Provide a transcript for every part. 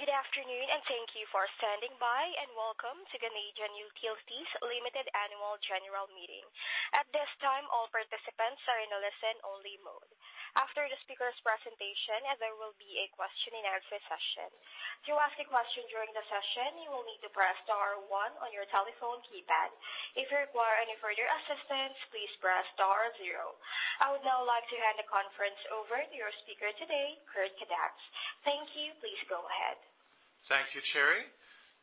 Good afternoon. Thank you for standing by. Welcome to Canadian Utilities Limited Annual General Meeting. At this time, all participants are in a listen-only mode. After the speaker's presentation, there will be a question-and-answer session. To ask a question during the session, you will need to press star one on your telephone keypad. If you require any further assistance, please press star zero. I would now like to hand the conference over to your speaker today, Kurt Kadatz. Thank you. Please go ahead. Thank you, Cherry.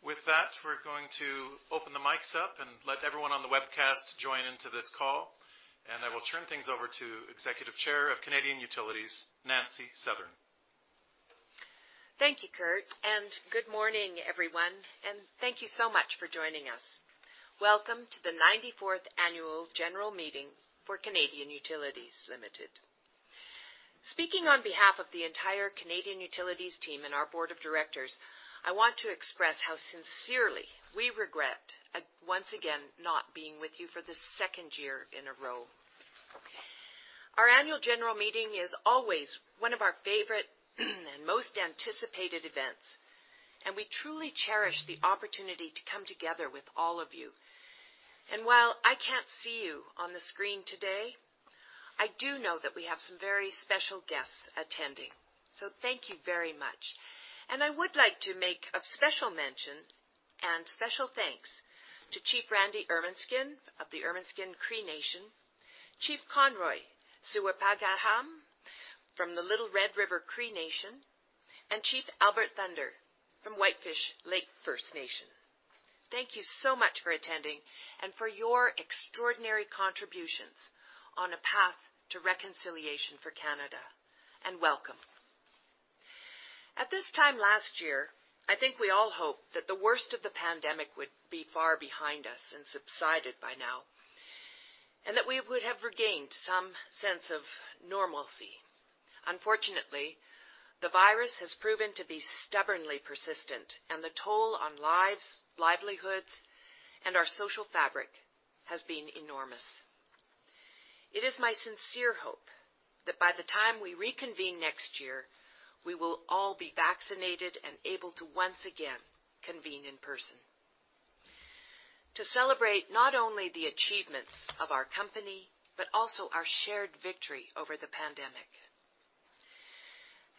With that, we're going to open the mics up and let everyone on the webcast join into this call, and I will turn things over to Executive Chair of Canadian Utilities, Nancy Southern. Thank you, Kurt, and good morning, everyone, and thank you so much for joining us. Welcome to the 94th Annual General Meeting for Canadian Utilities Limited. Speaking on behalf of the entire Canadian Utilities team and our board of directors, I want to express how sincerely we regret, once again, not being with you for the second year in a row. Our annual general meeting is always one of our favorite and most anticipated events, and we truly cherish the opportunity to come together with all of you. While I can't see you on the screen today, I do know that we have some very special guests attending, so thank you very much. I would like to make a special mention and special thanks to Chief Randy Ermineskin of the Ermineskin Cree Nation, Chief Conroy Sewepagaham from the Little Red River Cree Nation, and Chief Albert Thunder from Whitefish Lake First Nation. Thank you so much for attending and for your extraordinary contributions on a path to reconciliation for Canada. Welcome. At this time last year, I think we all hoped that the worst of the pandemic would be far behind us and subsided by now, and that we would have regained some sense of normalcy. Unfortunately, the virus has proven to be stubbornly persistent, and the toll on lives, livelihoods, and our social fabric has been enormous. It is my sincere hope that by the time we reconvene next year, we will all be vaccinated and able to once again convene in person to celebrate not only the achievements of our company but also our shared victory over the pandemic.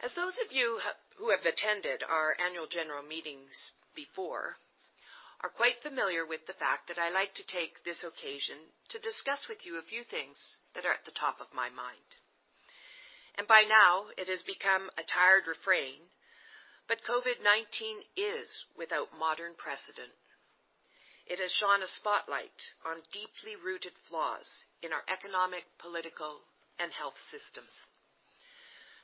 As those of you who have attended our annual general meetings before are quite familiar with the fact that I like to take this occasion to discuss with you a few things that are at the top of my mind. By now, it has become a tired refrain, but COVID-19 is without modern precedent. It has shone a spotlight on deeply rooted flaws in our economic, political, and health systems,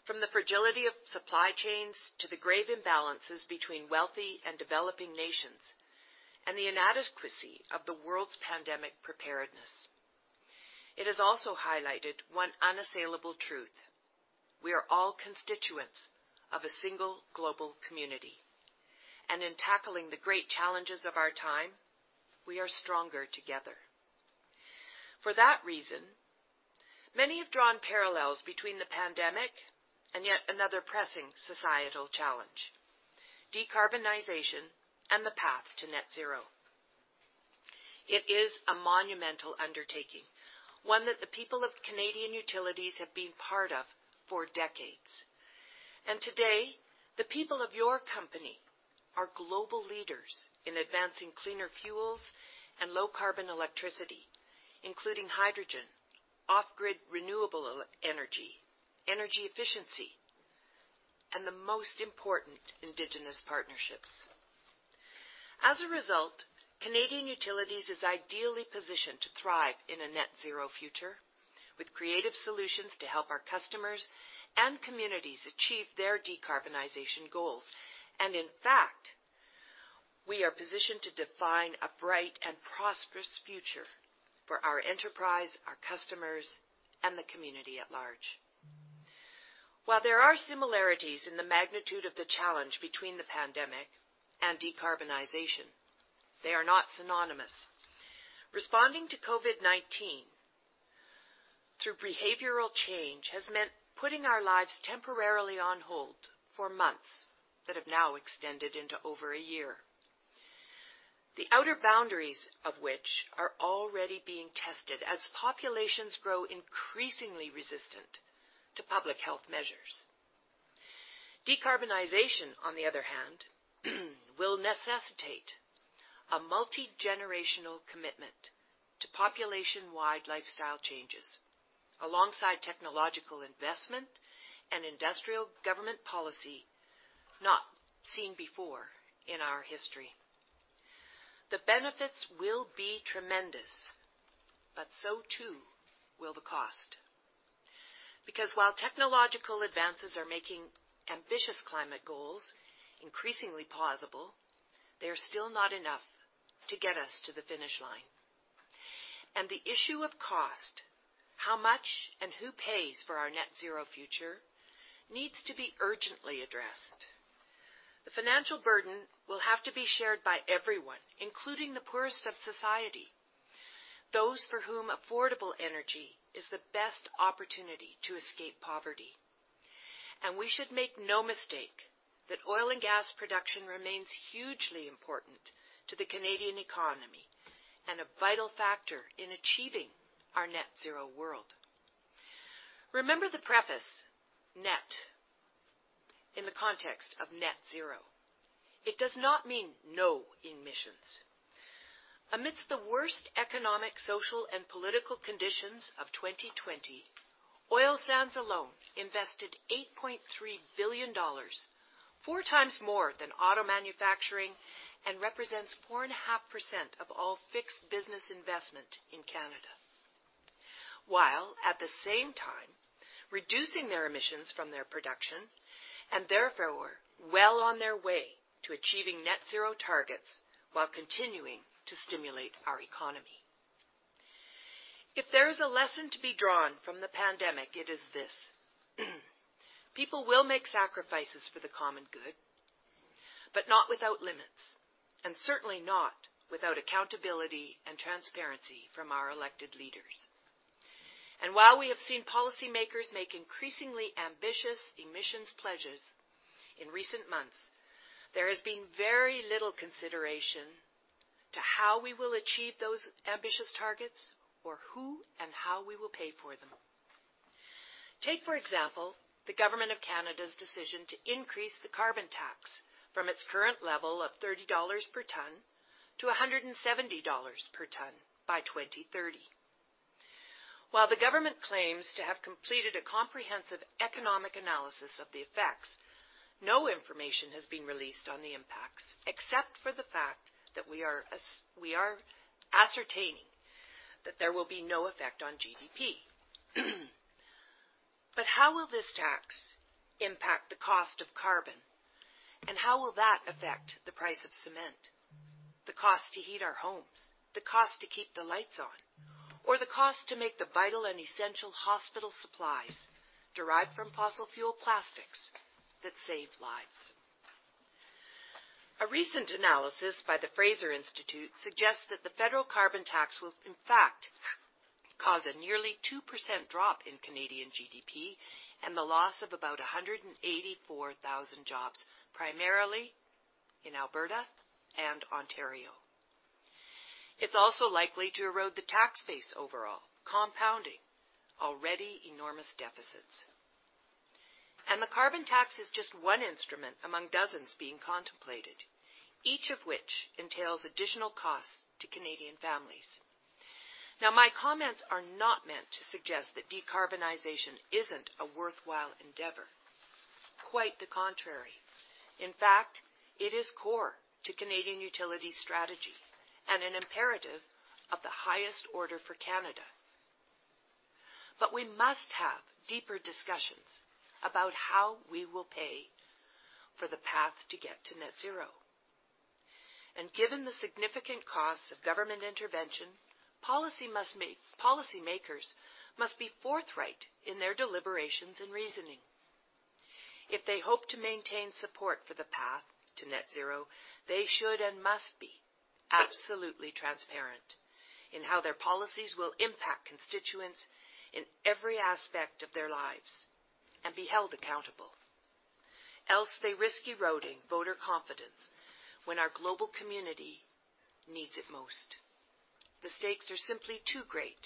from the fragility of supply chains to the grave imbalances between wealthy and developing nations and the inadequacy of the world's pandemic preparedness. It has also highlighted one unassailable truth: We are all constituents of a single global community, and in tackling the great challenges of our time, we are stronger together. For that reason, many have drawn parallels between the pandemic and yet another pressing societal challenge, decarbonization and the path to net zero. It is a monumental undertaking, one that the people of Canadian Utilities have been part of for decades. Today, the people of your company are global leaders in advancing cleaner fuels and low-carbon electricity, including hydrogen, off-grid renewable energy efficiency, and the most important Indigenous partnerships. As a result, Canadian Utilities is ideally positioned to thrive in a net zero future with creative solutions to help our customers and communities achieve their decarbonization goals. In fact, we are positioned to define a bright and prosperous future for our enterprise, our customers, and the community at large. While there are similarities in the magnitude of the challenge between the pandemic and decarbonization, they are not synonymous. Responding to COVID-19 through behavioral change has meant putting our lives temporarily on hold for months that have now extended into over a year. The outer boundaries of which are already being tested as populations grow increasingly resistant to public health measures. Decarbonization, on the other hand, will necessitate a multigenerational commitment to population-wide lifestyle changes alongside technological investment and industrial government policy not seen before in our history. The benefits will be tremendous, but so too will the cost. While technological advances are making ambitious climate goals increasingly possible, they are still not enough to get us to the finish line. The issue of cost, how much, and who pays for our net-zero future needs to be urgently addressed. The financial burden will have to be shared by everyone, including the poorest of society. Those for whom affordable energy is the best opportunity to escape poverty. We should make no mistake that oil and gas production remains hugely important to the Canadian economy and a vital factor in achieving our net zero world. Remember the preface net in the context of net zero. It does not mean no emissions. Amidst the worst economic, social, and political conditions of 2020, oil sands alone invested 8.3 billion dollars, four times more than auto manufacturing, and represents 4.5% of all fixed business investment in Canada. While at the same time reducing their emissions from their production, and therefore well on their way to achieving net zero targets while continuing to stimulate our economy. If there is a lesson to be drawn from the pandemic, it is this: people will make sacrifices for the common good, but not without limits, and certainly not without accountability and transparency from our elected leaders. While we have seen policymakers make increasingly ambitious emissions pledges in recent months, there has been very little consideration to how we will achieve those ambitious targets or who and how we will pay for them. Take, for example, the government of Canada's decision to increase the carbon tax from its current level of 30 dollars per tonne to 170 dollars per tonne by 2030. While the government claims to have completed a comprehensive economic analysis of the effects, no information has been released on the impacts, except for the fact that we are ascertaining that there will be no effect on GDP. How will this tax impact the cost of carbon, and how will that affect the price of cement, the cost to heat our homes, the cost to keep the lights on, or the cost to make the vital and essential hospital supplies derived from fossil fuel plastics that save lives? A recent analysis by the Fraser Institute suggests that the federal carbon tax will in fact cause a nearly 2% drop in Canadian GDP and the loss of about 184,000 jobs, primarily in Alberta and Ontario. It's also likely to erode the tax base overall, compounding already enormous deficits. The carbon tax is just one instrument among dozens being contemplated, each of which entails additional costs to Canadian families. My comments are not meant to suggest that decarbonization isn't a worthwhile endeavor. Quite the contrary. In fact, it is core to Canadian Utilities' strategy and an imperative of the highest order for Canada. We must have deeper discussions about how we will pay for the path to get to net zero. Given the significant costs of government intervention, policymakers must be forthright in their deliberations and reasoning. If they hope to maintain support for the path to net zero, they should and must be absolutely transparent in how their policies will impact constituents in every aspect of their lives and be held accountable. Else they risk eroding voter confidence when our global community needs it most. The stakes are simply too great.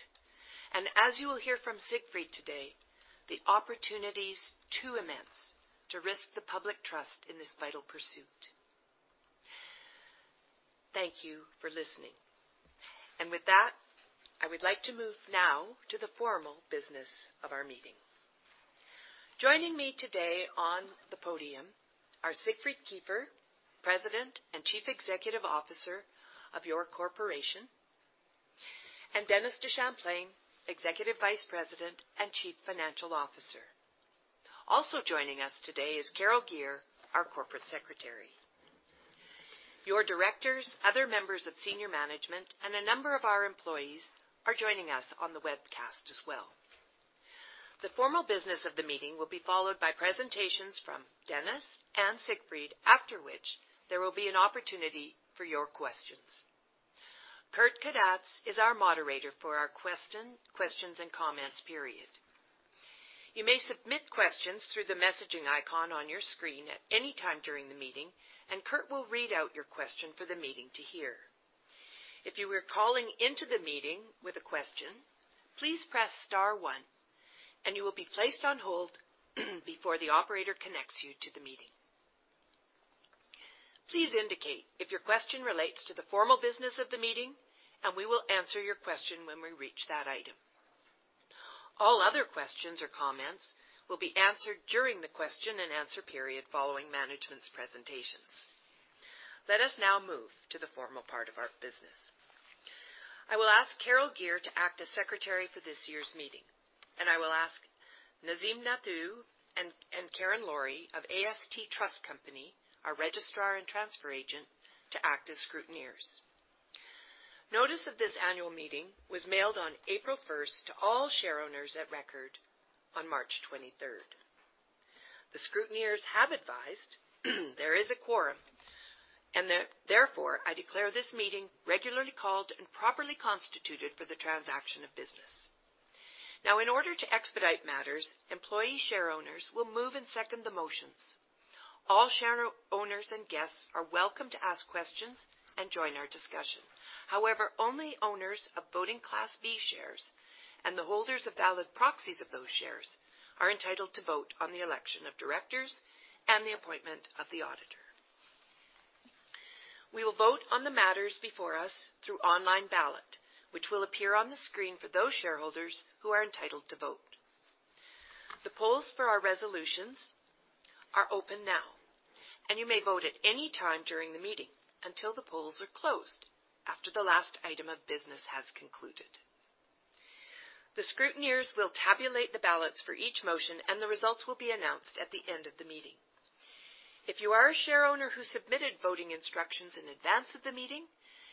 As you will hear from Siegfried today, the opportunity's too immense to risk the public trust in this vital pursuit. Thank you for listening. With that, I would like to move now to the formal business of our meeting. Joining me today on the podium are Siegfried Kiefer, President and Chief Executive Officer of your corporation, and Dennis DeChamplain, Executive Vice President and Chief Financial Officer. Also joining us today is Carol Gear, our Corporate Secretary. Your directors, other members of senior management, and a number of our employees are joining us on the webcast as well. The formal business of the meeting will be followed by presentations from Dennis and Siegfried, after which there will be an opportunity for your questions. Kurt Kadatz is our moderator for our questions and comments period. You may submit questions through the messaging icon on your screen at any time during the meeting, and Kurt will read out your question for the meeting to hear. If you are calling into the meeting with a question, please press star one and you will be placed on hold before the operator connects you to the meeting. Please indicate if your question relates to the formal business of the meeting, and we will answer your question when we reach that item. All other questions or comments will be answered during the question and answer period following management's presentations. Let us now move to the formal part of our business. I will ask Carol Gear to act as secretary for this year's meeting, and I will ask Nazim Nathoo and Karyn Laurie of AST Trust Company, our registrar and transfer agent, to act as scrutineers. Notice of this annual meeting was mailed on April 1st to all shareowners at record on March 23rd. The scrutineers have advised there is a quorum. Therefore, I declare this meeting regularly called and properly constituted for the transaction of business. In order to expedite matters, employee shareowners will move and second the motions. All shareowners and guests are welcome to ask questions and join our discussion. Only owners of voting Class B shares and the holders of valid proxies of those shares are entitled to vote on the election of directors and the appointment of the auditor. We will vote on the matters before us through online ballot, which will appear on the screen for those shareowners who are entitled to vote. The polls for our resolutions are open now, and you may vote at any time during the meeting until the polls are closed after the last item of business has concluded. The scrutineers will tabulate the ballots for each motion, and the results will be announced at the end of the meeting. If you are a share owner who submitted voting instructions in advance of the meeting,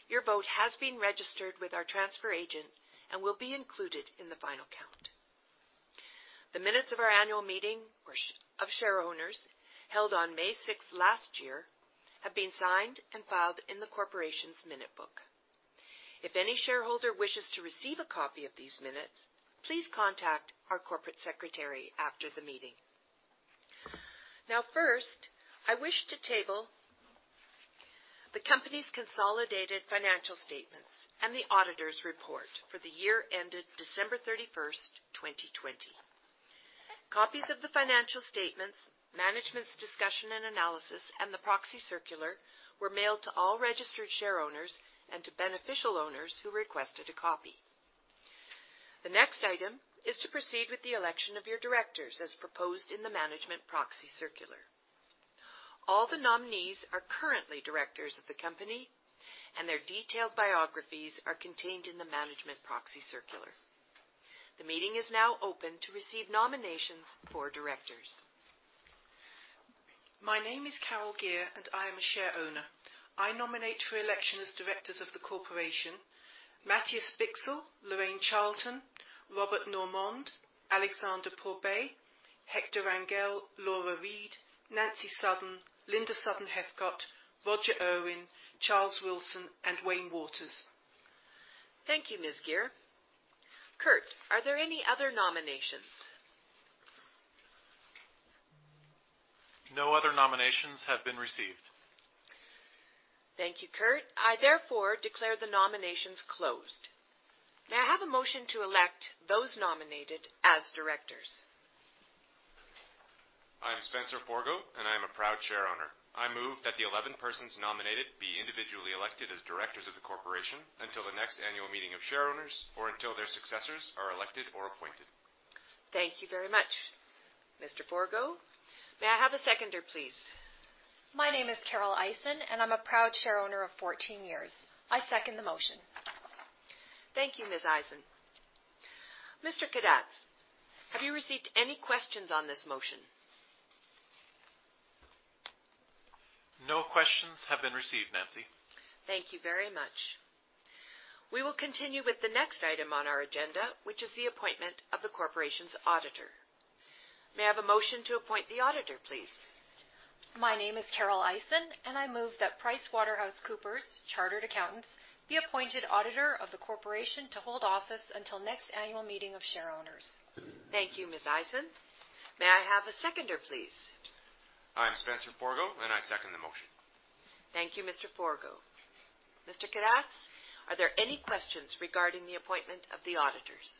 your vote has been registered with our transfer agent and will be included in the final count. The minutes of our annual meeting of share owners held on May 6th last year have been signed and filed in the corporation's minute book. If any shareholder wishes to receive a copy of these minutes, please contact our corporate secretary after the meeting. Now, first, I wish to table the company's consolidated financial statements and the auditor's report for the year ended December 31st, 2020. Copies of the financial statements, management's discussion and analysis, and the proxy circular were mailed to all registered shareowners and to beneficial owners who requested a copy. The next item is to proceed with the election of your directors as proposed in the management proxy circular. All the nominees are currently directors of the company, and their detailed biographies are contained in the management proxy circular. The meeting is now open to receive nominations for directors. My name is Carol Gear, I am a share owner. I nominate for election as directors of the corporation, Matthias Bichsel, Loraine Charlton, Robert Normand, Alexander Pourbaix, Hector Rangel, Laura Reed, Nancy Southern, Linda Southern-Heathcott, Roger Urwin, Charles Wilson, and Wayne Wouters. Thank you, Ms. Gear. Kurt, are there any other nominations? No other nominations have been received. Thank you, Kurt. I therefore declare the nominations closed. May I have a motion to elect those nominated as directors? I'm Spencer Forgo, and I am a proud shareowner. I move that the 11 persons nominated be individually elected as directors of the corporation until the next annual meeting of shareowners or until their successors are elected or appointed. Thank you very much, Mr. Forgo. May I have a seconder, please? My name is Carole Eisen, I'm a proud share owner of 14 years. I second the motion. Thank you, Ms. Eisen. Mr. Kadatz, have you received any questions on this motion? No questions have been received, Nancy. Thank you very much. We will continue with the next item on our agenda, which is the appointment of the corporation's auditor. May I have a motion to appoint the auditor, please? My name is Carole Eisen. I move that PricewaterhouseCoopers Chartered Accountants be appointed auditor of the corporation to hold office until next annual meeting of share owners. Thank you, Ms. Eisen. May I have a seconder, please? I'm Spencer Forgo, and I second the motion. Thank you, Mr. Forgo. Mr. Kadatz, are there any questions regarding the appointment of the auditors?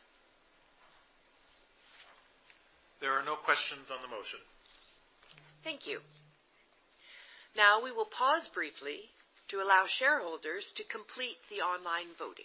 There are no questions on the motion. Thank you. Now, we will pause briefly to allow shareholders to complete the online voting.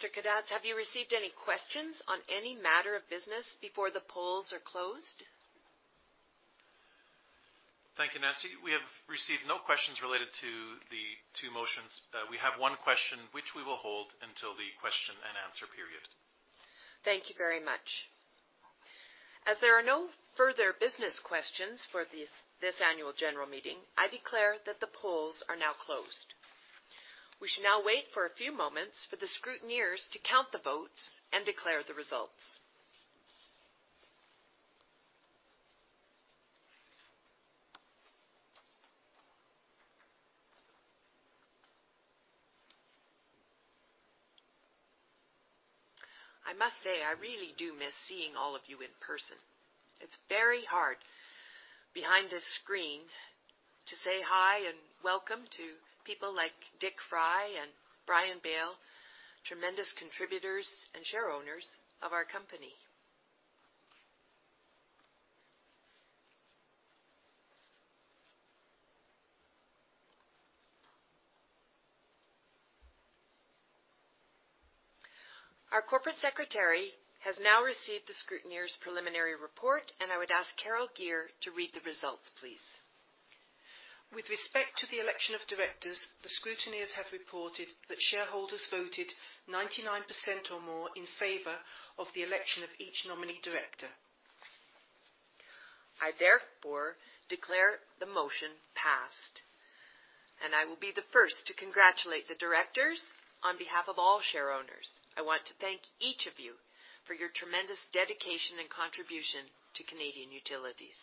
Mr. Kadatz, have you received any questions on any matter of business before the polls are closed? Thank you, Nancy. We have received no questions related to the two motions. We have one question which we will hold until the question and answer period. Thank you very much. As there are no further business questions for this annual general meeting, I declare that the polls are now closed. We should now wait for a few moments for the scrutineers to count the votes and declare the results. I must say, I really do miss seeing all of you in person. It's very hard behind a screen to say hi and welcome to people like Dick Frey and Brian Bale, tremendous contributors and shareowners of our company. Our Corporate Secretary has now received the scrutineers' preliminary report, I would ask Carol Gear to read the results, please. With respect to the election of directors, the scrutineers have reported that shareholders voted 99% or more in favor of the election of each nominee director. I therefore declare the motion passed, and I will be the first to congratulate the directors on behalf of all shareowners. I want to thank each of you for your tremendous dedication and contribution to Canadian Utilities.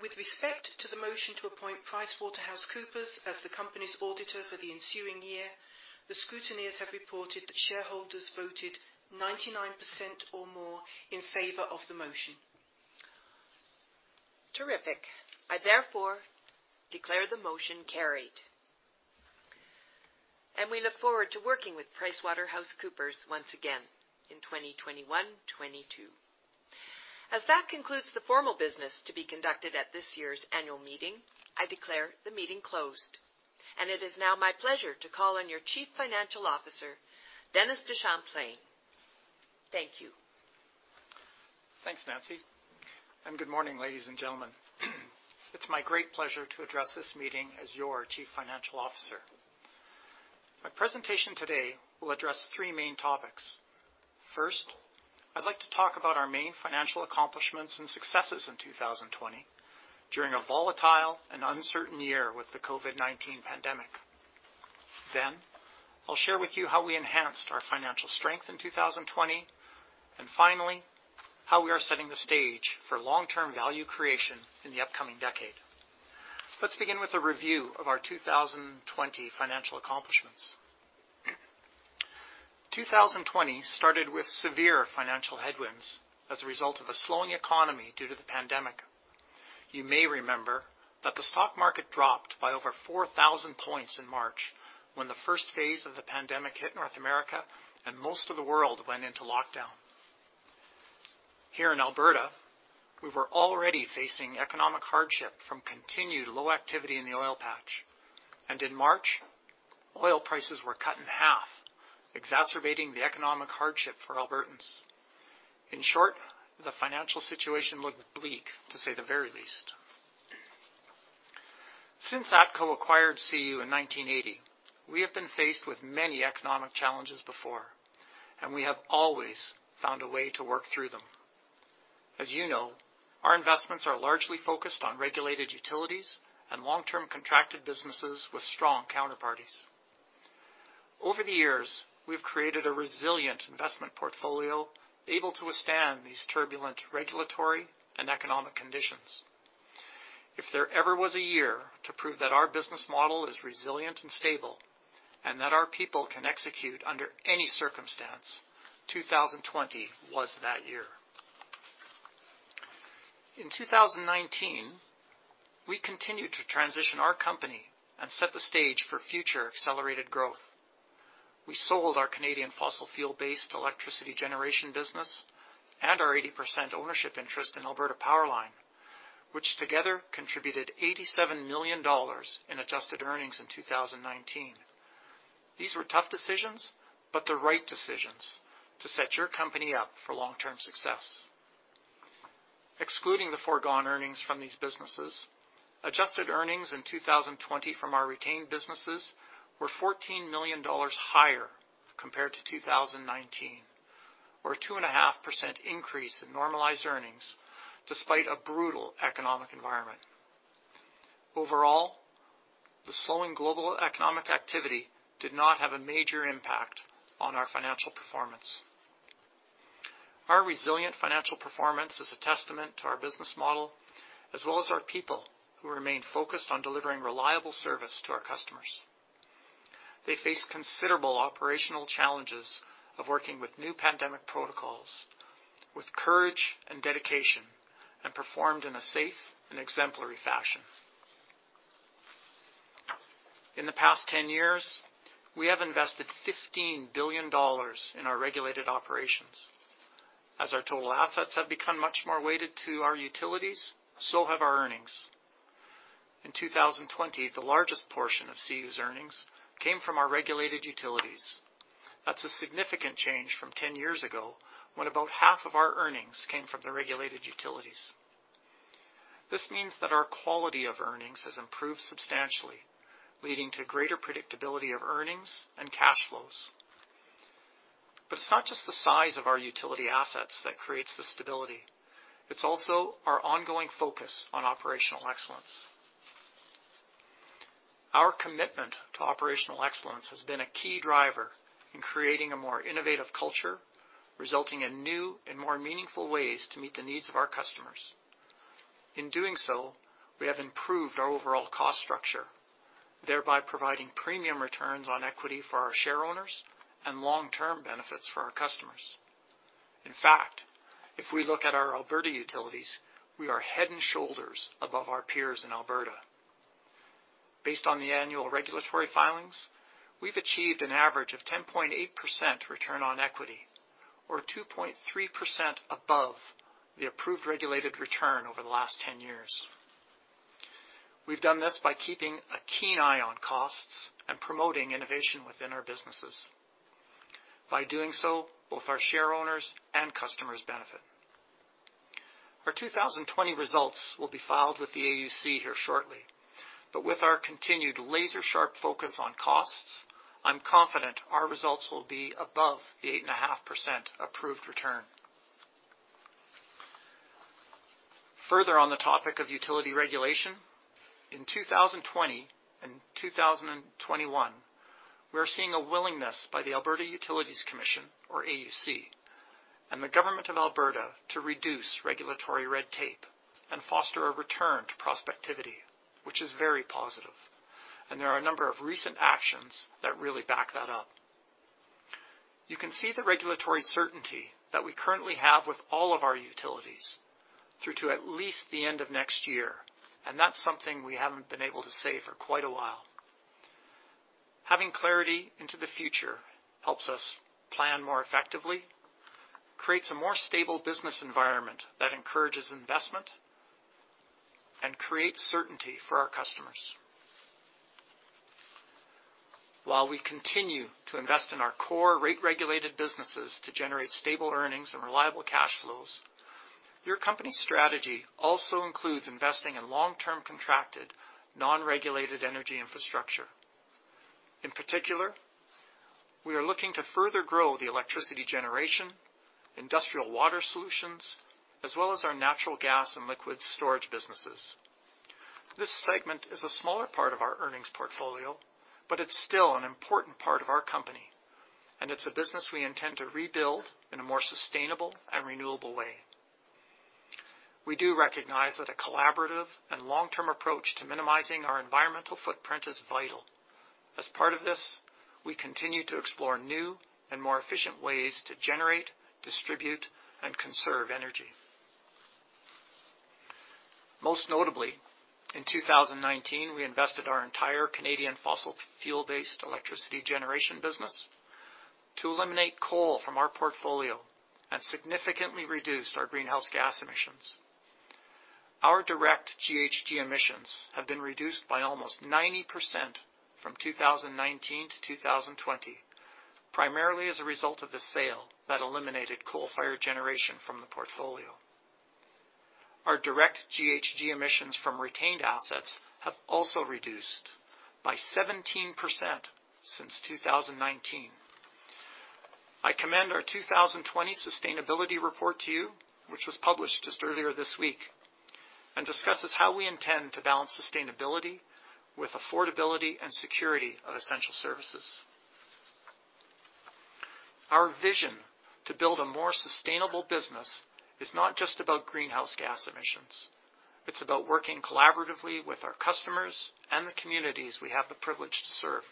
With respect to the motion to appoint PricewaterhouseCoopers as the company's auditor for the ensuing year, the scrutineers have reported that shareholders voted 99% or more in favor of the motion. Terrific. I therefore declare the motion carried. We look forward to working with PricewaterhouseCoopers once again in 2021-2022. As that concludes the formal business to be conducted at this year's annual meeting, I declare the meeting closed. It is now my pleasure to call on your Chief Financial Officer, Dennis DeChamplain. Thank you. Thanks, Nancy. Good morning, ladies and gentlemen. It's my great pleasure to address this meeting as your Chief Financial Officer. My presentation today will address three main topics. First, I'd like to talk about our main financial accomplishments and successes in 2020 during a volatile and uncertain year with the COVID-19 pandemic. I'll share with you how we enhanced our financial strength in 2020. Finally, how we are setting the stage for long-term value creation in the upcoming decade. Let's begin with a review of our 2020 financial accomplishments. 2020 started with severe financial headwinds as a result of a slowing economy due to the pandemic. You may remember that the stock market dropped by over 4,000 points in March when the first phase of the pandemic hit North America and most of the world went into lockdown. Here in Alberta, we were already facing economic hardship from continued low activity in the oil patch. In March, oil prices were cut in 1/2, exacerbating the economic hardship for Albertans. In short, the financial situation looked bleak, to say the very least. Since ATCO acquired CU in 1980, we have been faced with many economic challenges before, and we have always found a way to work through them. As you know, our investments are largely focused on regulated utilities and long-term contracted businesses with strong counterparties. Over the years, we've created a resilient investment portfolio able to withstand these turbulent regulatory and economic conditions. If there ever was a year to prove that our business model is resilient and stable, and that our people can execute under any circumstance, 2020 was that year. In 2019, we continued to transition our company and set the stage for future accelerated growth. We sold our Canadian fossil fuel-based electricity generation business and our 80% ownership interest in Alberta PowerLine, which together contributed 87 million dollars in adjusted earnings in 2019. These were tough decisions, but the right decisions to set your company up for long-term success. Excluding the foregone earnings from these businesses, adjusted earnings in 2020 from our retained businesses were 14 million dollars higher compared to 2019 or 2.5% increase in normalized earnings despite a brutal economic environment. Overall, the slowing global economic activity did not have a major impact on our financial performance. Our resilient financial performance is a testament to our business model as well as our people who remain focused on delivering reliable service to our customers. They face considerable operational challenges of working with new pandemic protocols with courage and dedication and performed in a safe and exemplary fashion. In the past 10 years, we have invested 15 billion dollars in our regulated operations. As our total assets have become much more weighted to our utilities, so have our earnings. In 2020, the largest portion of CU's earnings came from our regulated utilities. That's a significant change from 10 years ago when about 1/2 of our earnings came from the regulated utilities. This means that our quality of earnings has improved substantially, leading to greater predictability of earnings and cash flows. It's not just the size of our utility assets that creates the stability. It's also our ongoing focus on operational excellence. Our commitment to operational excellence has been a key driver in creating a more innovative culture, resulting in new and more meaningful ways to meet the needs of our customers. In doing so, we have improved our overall cost structure, thereby providing premium returns on equity for our shareowners and long-term benefits for our customers. In fact, if we look at our Alberta utilities, we are head and shoulders above our peers in Alberta. Based on the annual regulatory filings, we've achieved an average of 10.8% return on equity or 2.3% above the approved regulated return over the last 10 years. We've done this by keeping a keen eye on costs and promoting innovation within our businesses. By doing so, both our shareowners and customers benefit. Our 2020 results will be filed with the AUC here shortly. With our continued laser-sharp focus on costs, I'm confident our results will be above the 8.5% approved return. Further on the topic of utility regulation, in 2020 and 2021, we're seeing a willingness by the Alberta Utilities Commission, or AUC, and the Government of Alberta to reduce regulatory red tape and foster a return to prospectivity, which is very positive. There are a number of recent actions that really back that up. You can see the regulatory certainty that we currently have with all of our utilities through to at least the end of next year, and that's something we haven't been able to say for quite a while. Having clarity into the future helps us plan more effectively, creates a more stable business environment that encourages investment, and creates certainty for our customers. While we continue to invest in our core rate-regulated businesses to generate stable earnings and reliable cash flows, your company's strategy also includes investing in long-term contracted, non-regulated energy infrastructure. In particular, we are looking to further grow the electricity generation, industrial water solutions, as well as our natural gas and liquids storage businesses. This segment is a smaller part of our earnings portfolio, but it's still an important part of our company, and it's a business we intend to rebuild in a more sustainable and renewable way. We do recognize that a collaborative and long-term approach to minimizing our environmental footprint is vital. As part of this, we continue to explore new and more efficient ways to generate, distribute, and conserve energy. Most notably, in 2019, we invested our entire Canadian fossil fuel-based electricity generation business to eliminate coal from our portfolio and significantly reduced our greenhouse gas emissions. Our direct GHG emissions have been reduced by almost 90% from 2019 to 2020, primarily as a result of the sale that eliminated coal-fired generation from the portfolio. Our direct GHG emissions from retained assets have also reduced by 17% since 2019. I commend our 2020 sustainability report to you, which was published just earlier this week and discusses how we intend to balance sustainability with affordability and security of essential services. Our vision to build a more sustainable business is not just about greenhouse gas emissions. It's about working collaboratively with our customers and the communities we have the privilege to serve.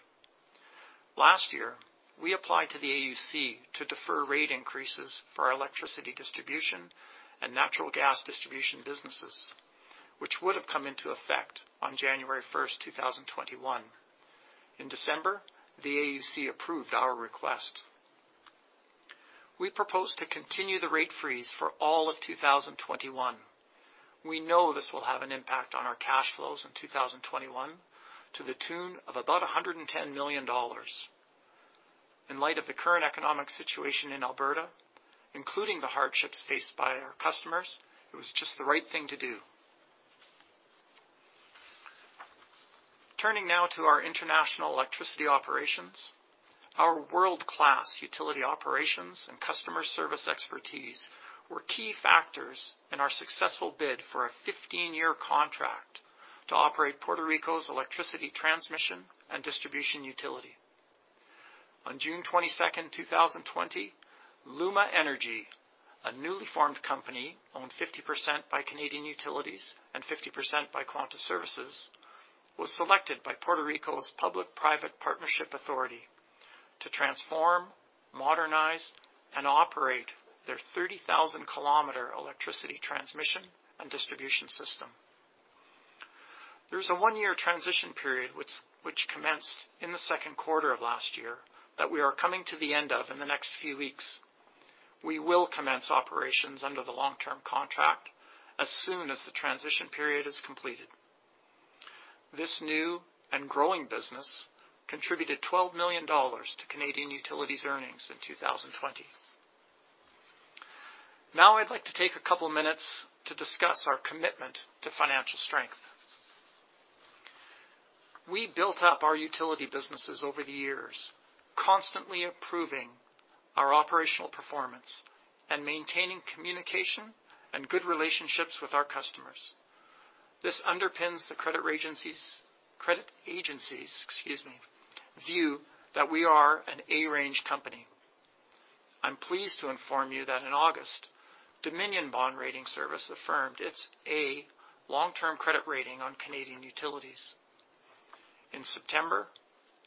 Last year, we applied to the AUC to defer rate increases for our electricity distribution and natural gas distribution businesses, which would have come into effect on January 1st, 2021. In December, the AUC approved our request. We propose to continue the rate freeze for all of 2021. We know this will have an impact on our cash flows in 2021 to the tune of about 110 million dollars. In light of the current economic situation in Alberta, including the hardships faced by our customers, it was just the right thing to do. Turning now to our international electricity operations. Our world-class utility operations and customer service expertise were key factors in our successful bid for a 15-year contract to operate Puerto Rico's electricity transmission and distribution utility. On June 22nd, 2020, LUMA Energy, a newly formed company owned 50% by Canadian Utilities and 50% by Quanta Services, was selected by Puerto Rico Public-Private Partnerships Authority to transform, modernize, and operate their 30,000 km electricity transmission and distribution system. There's a one-year transition period, which commenced in the second quarter of last year, that we are coming to the end of in the next few weeks. We will commence operations under the long-term contract as soon as the transition period is completed. This new and growing business contributed 12 million dollars to Canadian Utilities' earnings in 2020. Now I'd like to take a couple of minutes to discuss our commitment to financial strength. We built up our utility businesses over the years, constantly improving our operational performance and maintaining communication and good relationships with our customers. This underpins the credit agencies' view that we are an A-range company. I'm pleased to inform you that in August, Dominion Bond Rating Service affirmed its A long-term credit rating on Canadian Utilities. In September,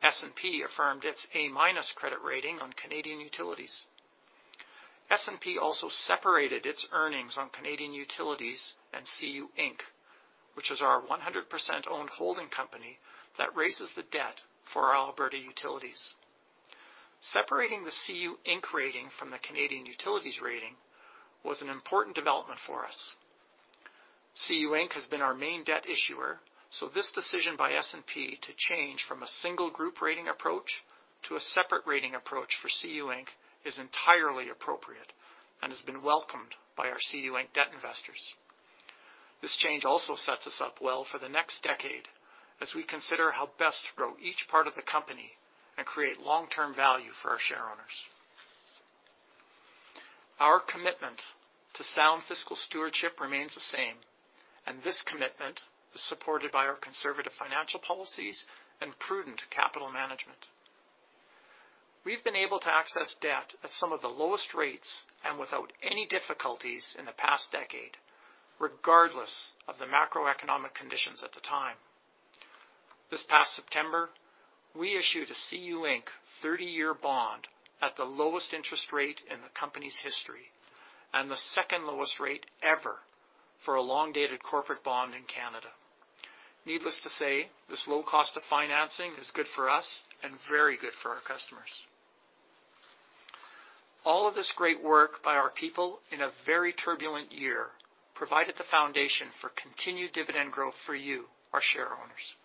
S&P affirmed its A- credit rating on Canadian Utilities. S&P also separated its earnings on Canadian Utilities and CU Inc., which is our 100%-owned holding company that raises the debt for our Alberta utilities. Separating the CU Inc. rating from the Canadian Utilities rating was an important development for us. CU Inc. has been our main debt issuer, so this decision by S&P to change from a single group rating approach to a separate rating approach for CU Inc. is entirely appropriate and has been welcomed by our CU Inc. debt investors. This change also sets us up well for the next decade as we consider how best to grow each part of the company and create long-term value for our shareowners. Our commitment to sound fiscal stewardship remains the same, and this commitment is supported by our conservative financial policies and prudent capital management. We've been able to access debt at some of the lowest rates and without any difficulties in the past decade, regardless of the macroeconomic conditions at the time. This past September, we issued a CU Inc. 30-year bond at the lowest interest rate in the company's history and the second lowest rate ever for a long-dated corporate bond in Canada. Needless to say, this low cost of financing is good for us and very good for our customers. All of this great work by our people in a very turbulent year provided the foundation for continued dividend growth for you, our shareowners.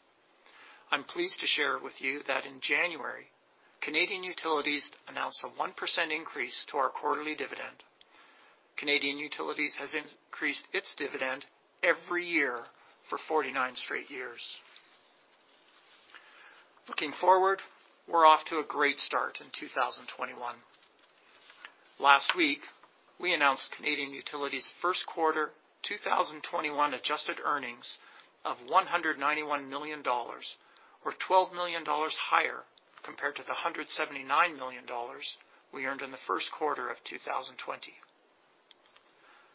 I'm pleased to share with you that in January, Canadian Utilities announced a 1% increase to our quarterly dividend. Canadian Utilities has increased its dividend every year for 49 straight years. Looking forward, we're off to a great start in 2021. Last week, we announced Canadian Utilities' first quarter 2021 adjusted earnings of 191 million dollars, or 12 million dollars higher compared to the 179 million dollars we earned in the first quarter of 2020.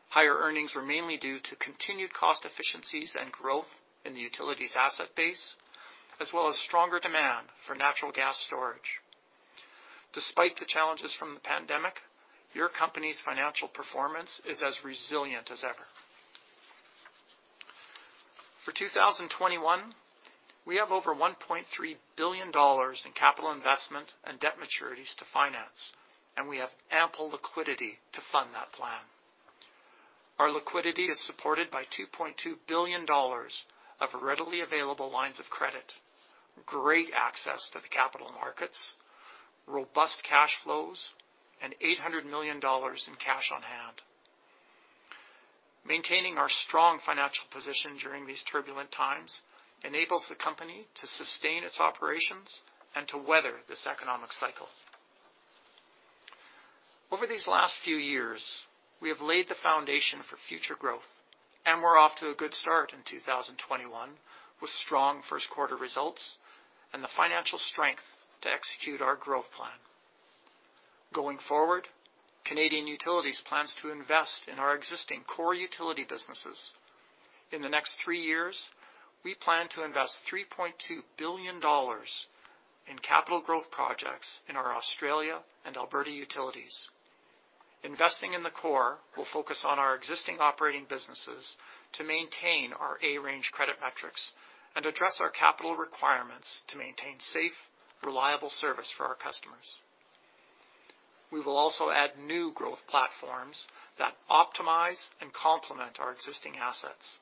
Higher earnings were mainly due to continued cost efficiencies and growth in the utilities asset base, as well as stronger demand for natural gas storage. Despite the challenges from the pandemic, your company's financial performance is as resilient as ever. For 2021, we have over 1.3 billion dollars in capital investment and debt maturities to finance, we have ample liquidity to fund that plan. Our liquidity is supported by 2.2 billion dollars of readily available lines of credit, great access to the capital markets, robust cash flows, and 800 million dollars in cash on hand. Maintaining our strong financial position during these turbulent times enables the company to sustain its operations and to weather this economic cycle. Over these last few years, we have laid the foundation for future growth, and we're off to a good start in 2021 with strong first-quarter results and the financial strength to execute our growth plan. Going forward, Canadian Utilities plans to invest in our existing core utility businesses. In the next three years, we plan to invest 3.2 billion dollars in capital growth projects in our Australia and Alberta utilities. Investing in the core will focus on our existing operating businesses to maintain our A-range credit metrics and address our capital requirements to maintain safe, reliable service for our customers. We will also add new growth platforms that optimize and complement our existing assets.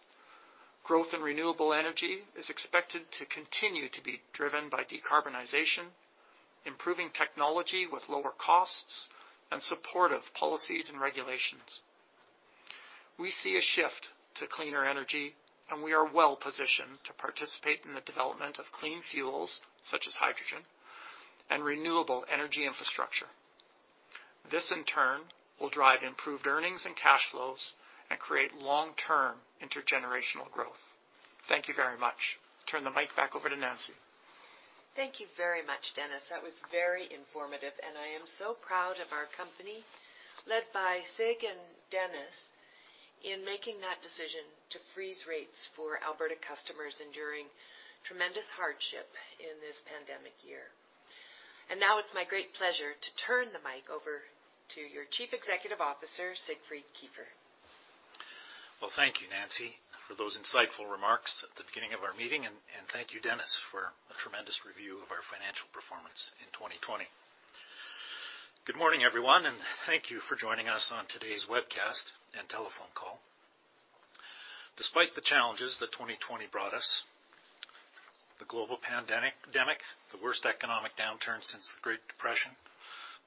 Growth in renewable energy is expected to continue to be driven by decarbonization, improving technology with lower costs, and supportive policies and regulations. We see a shift to cleaner energy, and we are well-positioned to participate in the development of clean fuels such as hydrogen and renewable energy infrastructure. This, in turn, will drive improved earnings and cash flows and create long-term intergenerational growth. Thank you very much. Turn the mic back over to Nancy. Thank you very much, Dennis. That was very informative, and I am so proud of our company, led by Sieg and Dennis, in making that decision to freeze rates for Alberta customers enduring tremendous hardship in this pandemic year. Now it's my great pleasure to turn the mic over to your Chief Executive Officer, Siegfried Kiefer. Well, thank you, Nancy, for those insightful remarks at the beginning of our meeting, and thank you, Dennis, for a tremendous review of our financial performance in 2020. Good morning, everyone, and thank you for joining us on today's webcast and telephone call. Despite the challenges that 2020 brought us, the global pandemic, the worst economic downturn since the Great Depression,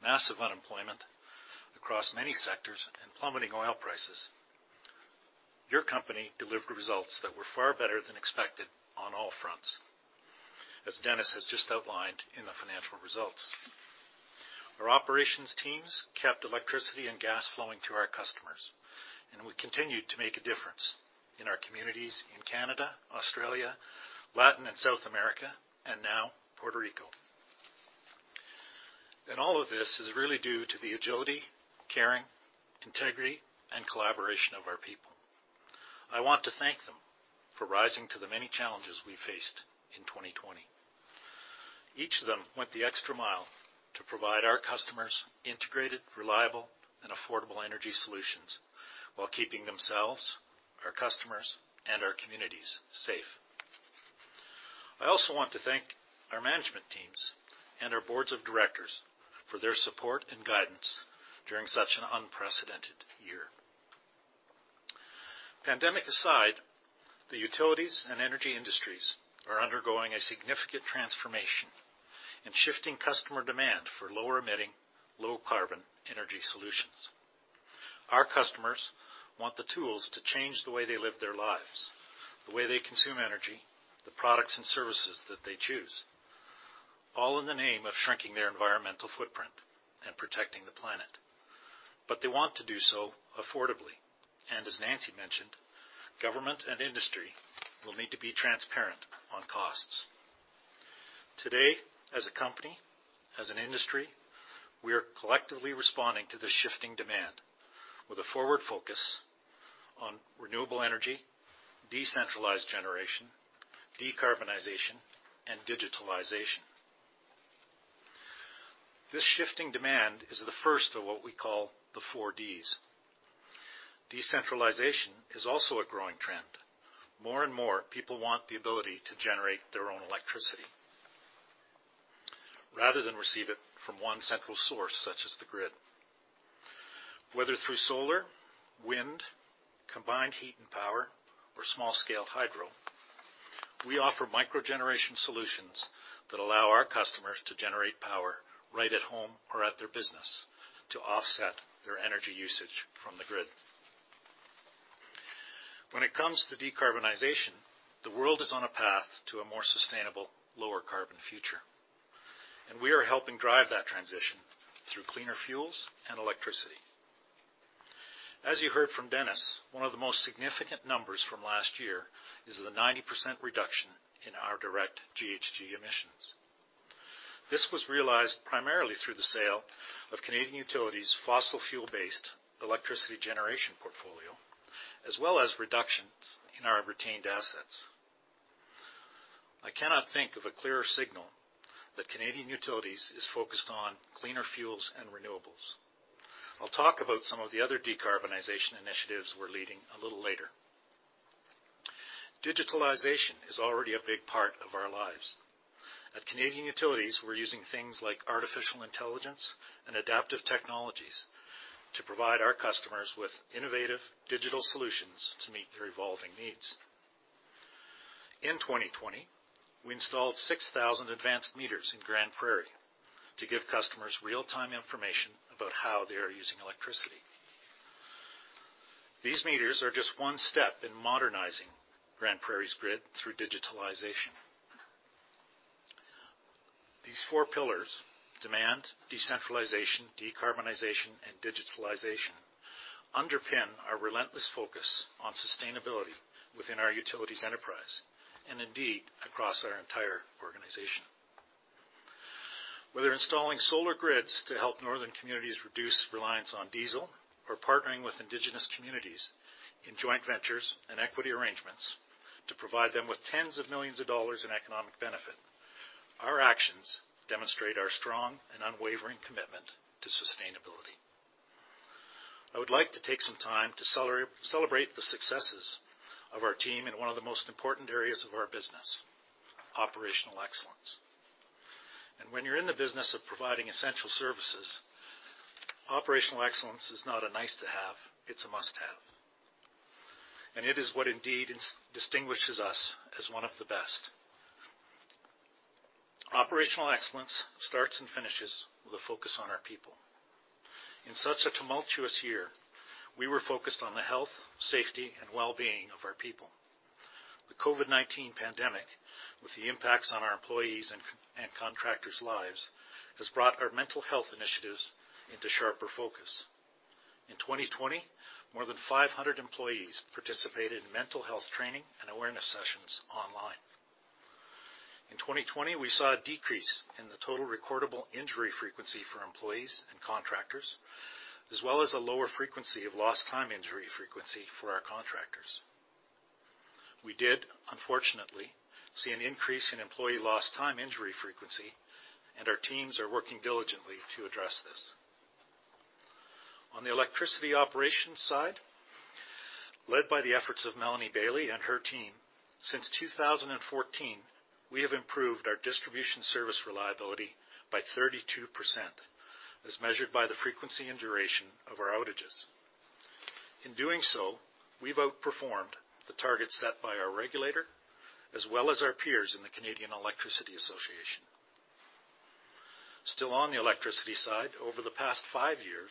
massive unemployment across many sectors and plummeting oil prices, your company delivered results that were far better than expected on all fronts, as Dennis has just outlined in the financial results. Our operations teams kept electricity and gas flowing to our customers, and we continued to make a difference in our communities in Canada, Australia, Latin and South America, and now Puerto Rico. All of this is really due to the agility, caring, integrity and collaboration of our people. I want to thank them for rising to the many challenges we faced in 2020. Each of them went the extra mile to provide our customers integrated, reliable and affordable energy solutions while keeping themselves, our customers, and our communities safe. I also want to thank our management teams and our boards of directors for their support and guidance during such an unprecedented year. Pandemic aside, the utilities and energy industries are undergoing a significant transformation in shifting customer demand for lower-emitting, low-carbon energy solutions. Our customers want the tools to change the way they live their lives, the way they consume energy, the products and services that they choose, all in the name of shrinking their environmental footprint and protecting the planet. They want to do so affordably, and as Nancy Southern mentioned, government and industry will need to be transparent on costs. Today, as a company, as an industry, we are collectively responding to the shifting demand with a forward focus on renewable energy, decentralized generation, decarbonization, and digitalization. This shifting demand is the first of what we call the four Ds. Decentralization is also a growing trend. More and more people want the ability to generate their own electricity, rather than receive it from one central source, such as the grid. Whether through solar, wind, combined heat and power, or small-scale hydro, we offer microgeneration solutions that allow our customers to generate power right at home or at their business to offset their energy usage from the grid. When it comes to decarbonization, the world is on a path to a more sustainable, lower-carbon future, and we are helping drive that transition through cleaner fuels and electricity. As you heard from Dennis, one of the most significant numbers from last year is the 90% reduction in our direct GHG emissions. This was realized primarily through the sale of Canadian Utilities' fossil fuel-based electricity generation portfolio, as well as reductions in our retained assets. I cannot think of a clearer signal that Canadian Utilities is focused on cleaner fuels and renewables. I'll talk about some of the other decarbonization initiatives we're leading a little later. Digitalization is already a big part of our lives. At Canadian Utilities, we're using things like artificial intelligence and adaptive technologies to provide our customers with innovative digital solutions to meet their evolving needs. In 2020, we installed 6,000 advanced meters in Grande Prairie to give customers real-time information about how they are using electricity. These meters are just one step in modernizing Grande Prairie's grid through digitalization. These four pillars, demand, decentralization, decarbonization, and digitalization, underpin our relentless focus on sustainability within our utilities enterprise, and indeed, across our entire organization. Whether installing solar grids to help northern communities reduce reliance on diesel or partnering with Indigenous communities in joint ventures and equity arrangements to provide them with tens of millions of dollars in economic benefit, our actions demonstrate our strong and unwavering commitment to sustainability. I would like to take some time to celebrate the successes of our team in one of the most important areas of our business, operational excellence. When you're in the business of providing essential services, operational excellence is not a nice-to-have, it's a must-have. It is what indeed distinguishes us as one of the best. Operational excellence starts and finishes with a focus on our people. In such a tumultuous year, we were focused on the health, safety, and well-being of our people. The COVID-19 pandemic, with the impacts on our employees' and contractors' lives, has brought our mental health initiatives into sharper focus. In 2020, more than 500 employees participated in mental health training and awareness sessions online. In 2020, we saw a decrease in the total recordable injury frequency for employees and contractors, as well as a lower frequency of lost time injury frequency for our contractors. We did, unfortunately, see an increase in employee lost time injury frequency, and our teams are working diligently to address this. On the electricity operations side, led by the efforts of Melanie Bayley and her team, since 2014, we have improved our distribution service reliability by 32%, as measured by the frequency and duration of our outages. In doing so, we've outperformed the targets set by our regulator, as well as our peers in the Canadian Electricity Association. Still on the Electricity side, over the past five years,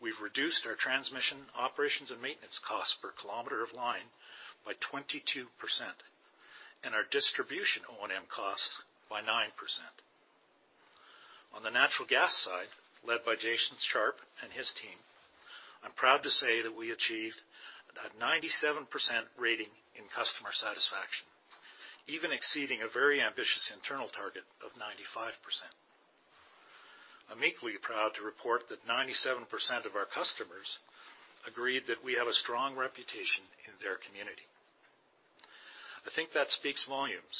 we've reduced our transmission operations and maintenance costs per kilometer of line by 22%, and our distribution O&M costs by 9%. On the Natural Gas side led by Jason Sharpe and his team, I'm proud to say that we achieved a 97% rating in customer satisfaction, even exceeding a very ambitious internal target of 95%. I'm equally proud to report that 97% of our customers agreed that we have a strong reputation in their community. I think that speaks volumes,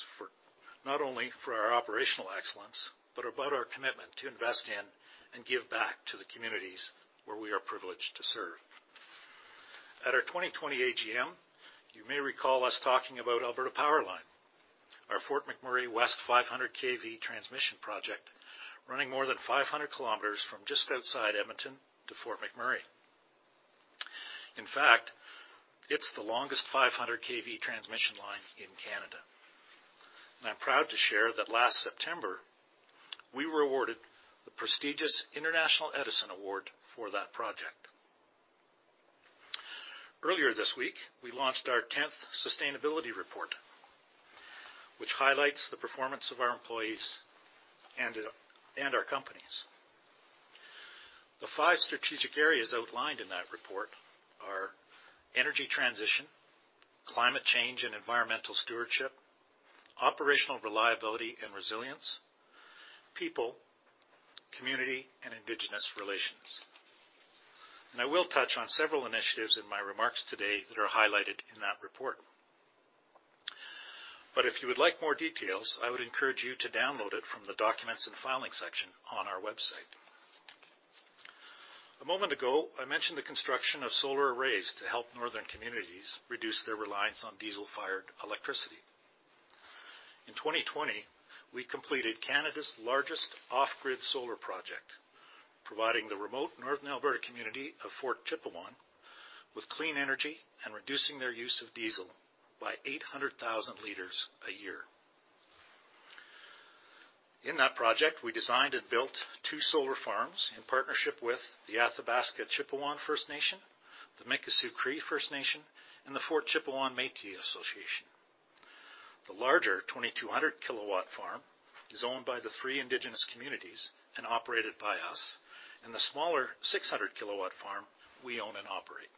not only for our operational excellence, but about our commitment to invest in and give back to the communities where we are privileged to serve. At our 2020 AGM, you may recall us talking about Alberta PowerLine, our Fort McMurray West 500 kV transmission project, running more than 500 km from just outside Edmonton to Fort McMurray. In fact, it's the longest 500 kV transmission line in Canada. I'm proud to share that last September, we were awarded the prestigious International Edison Award for that project. Earlier this week, we launched our 10th sustainability report, which highlights the performance of our employees and our companies. The five strategic areas outlined in that report are energy transition, climate change and environmental stewardship, operational reliability and resilience, people, community, and Indigenous relations. I will touch on several initiatives in my remarks today that are highlighted in that report. If you would like more details, I would encourage you to download it from the Documents and Filings section on our website. A moment ago, I mentioned the construction of solar arrays to help northern communities reduce their reliance on diesel-fired electricity. In 2020, we completed Canada's largest off-grid solar project, providing the remote northern Alberta community of Fort Chipewyan with clean energy and reducing their use of diesel by 800,000 L a year. In that project, we designed and built two solar farms in partnership with the Athabasca Chipewyan First Nation, the Mikisew Cree First Nation, and the Fort Chipewyan Métis Association. The larger 2,200 kW farm is owned by the three Indigenous communities and operated by us, and the smaller 600 kW farm we own and operate.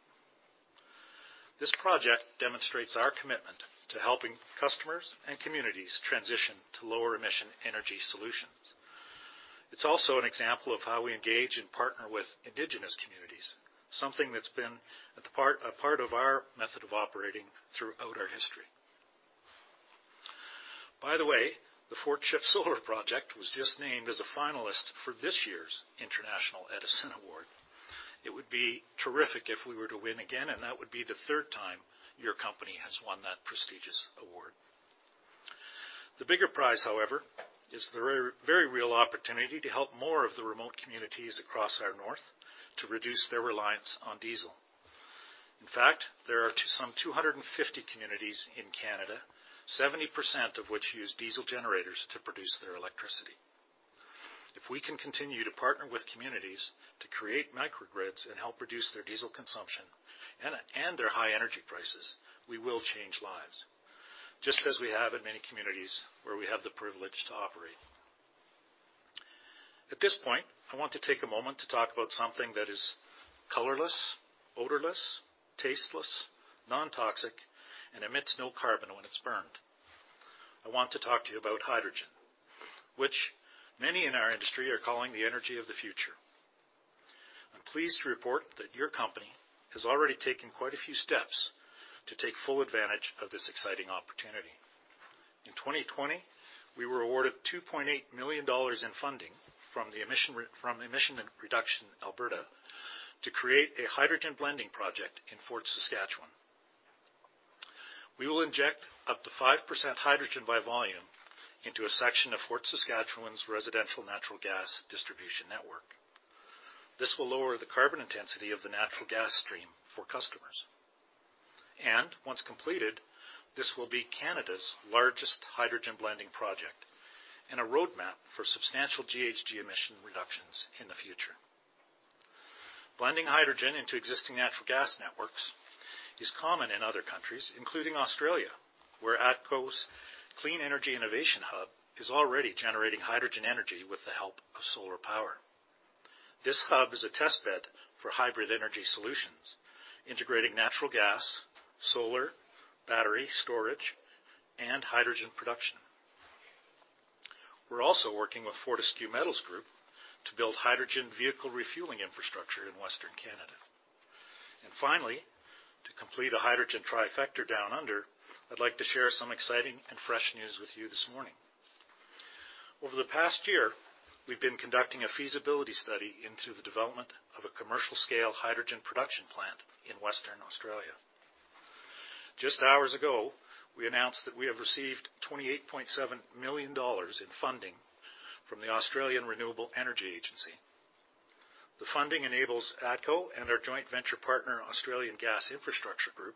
This project demonstrates our commitment to helping customers and communities transition to lower-emission energy solutions. It's also an example of how we engage and partner with Indigenous communities, something that's been a part of our method of operating throughout our history. By the way, the Fort Chip Solar Project was just named as a finalist for this year's International Edison Award. It would be terrific if we were to win again and that would be the third time your company has won that prestigious award. The bigger prize, however, is the very real opportunity to help more of the remote communities across our north to reduce their reliance on diesel. In fact, there are some 250 communities in Canada, 70% of which use diesel generators to produce their electricity. If we can continue to partner with communities to create microgrids and help reduce their diesel consumption and their high energy prices, we will change lives, just as we have in many communities where we have the privilege to operate. At this point, I want to take a moment to talk about something that is colorless, odorless, tasteless, non-toxic, and emits no carbon when it's burned. I want to talk to you about hydrogen, which many in our industry are calling the energy of the future. I'm pleased to report that your company has already taken quite a few steps to take full advantage of this exciting opportunity. In 2020, we were awarded 2.8 million dollars in funding from Emissions Reduction Alberta to create a hydrogen blending project in Fort Saskatchewan. We will inject up to 5% hydrogen by volume into a section of Fort Saskatchewan's residential natural gas distribution network. This will lower the carbon intensity of the natural gas stream for customers. Once completed, this will be Canada's largest hydrogen blending project and a roadmap for substantial GHG emission reductions in the future. Blending hydrogen into existing natural gas networks is common in other countries, including Australia, where ATCO's Clean Energy Innovation Hub is already generating hydrogen energy with the help of solar power. This hub is a test bed for hybrid energy solutions, integrating natural gas, solar, battery storage, and hydrogen production. We're also working with Fortescue Metals Group to build hydrogen vehicle refueling infrastructure in Western Canada. Finally, to complete a hydrogen trifecta down under, I'd like to share some exciting and fresh news with you this morning. Over the past year, we've been conducting a feasibility study into the development of a commercial-scale hydrogen production plant in Western Australia. Just hours ago, we announced that we have received 28.7 million dollars in funding from the Australian Renewable Energy Agency. The funding enables ATCO and our joint venture partner, Australian Gas Infrastructure Group,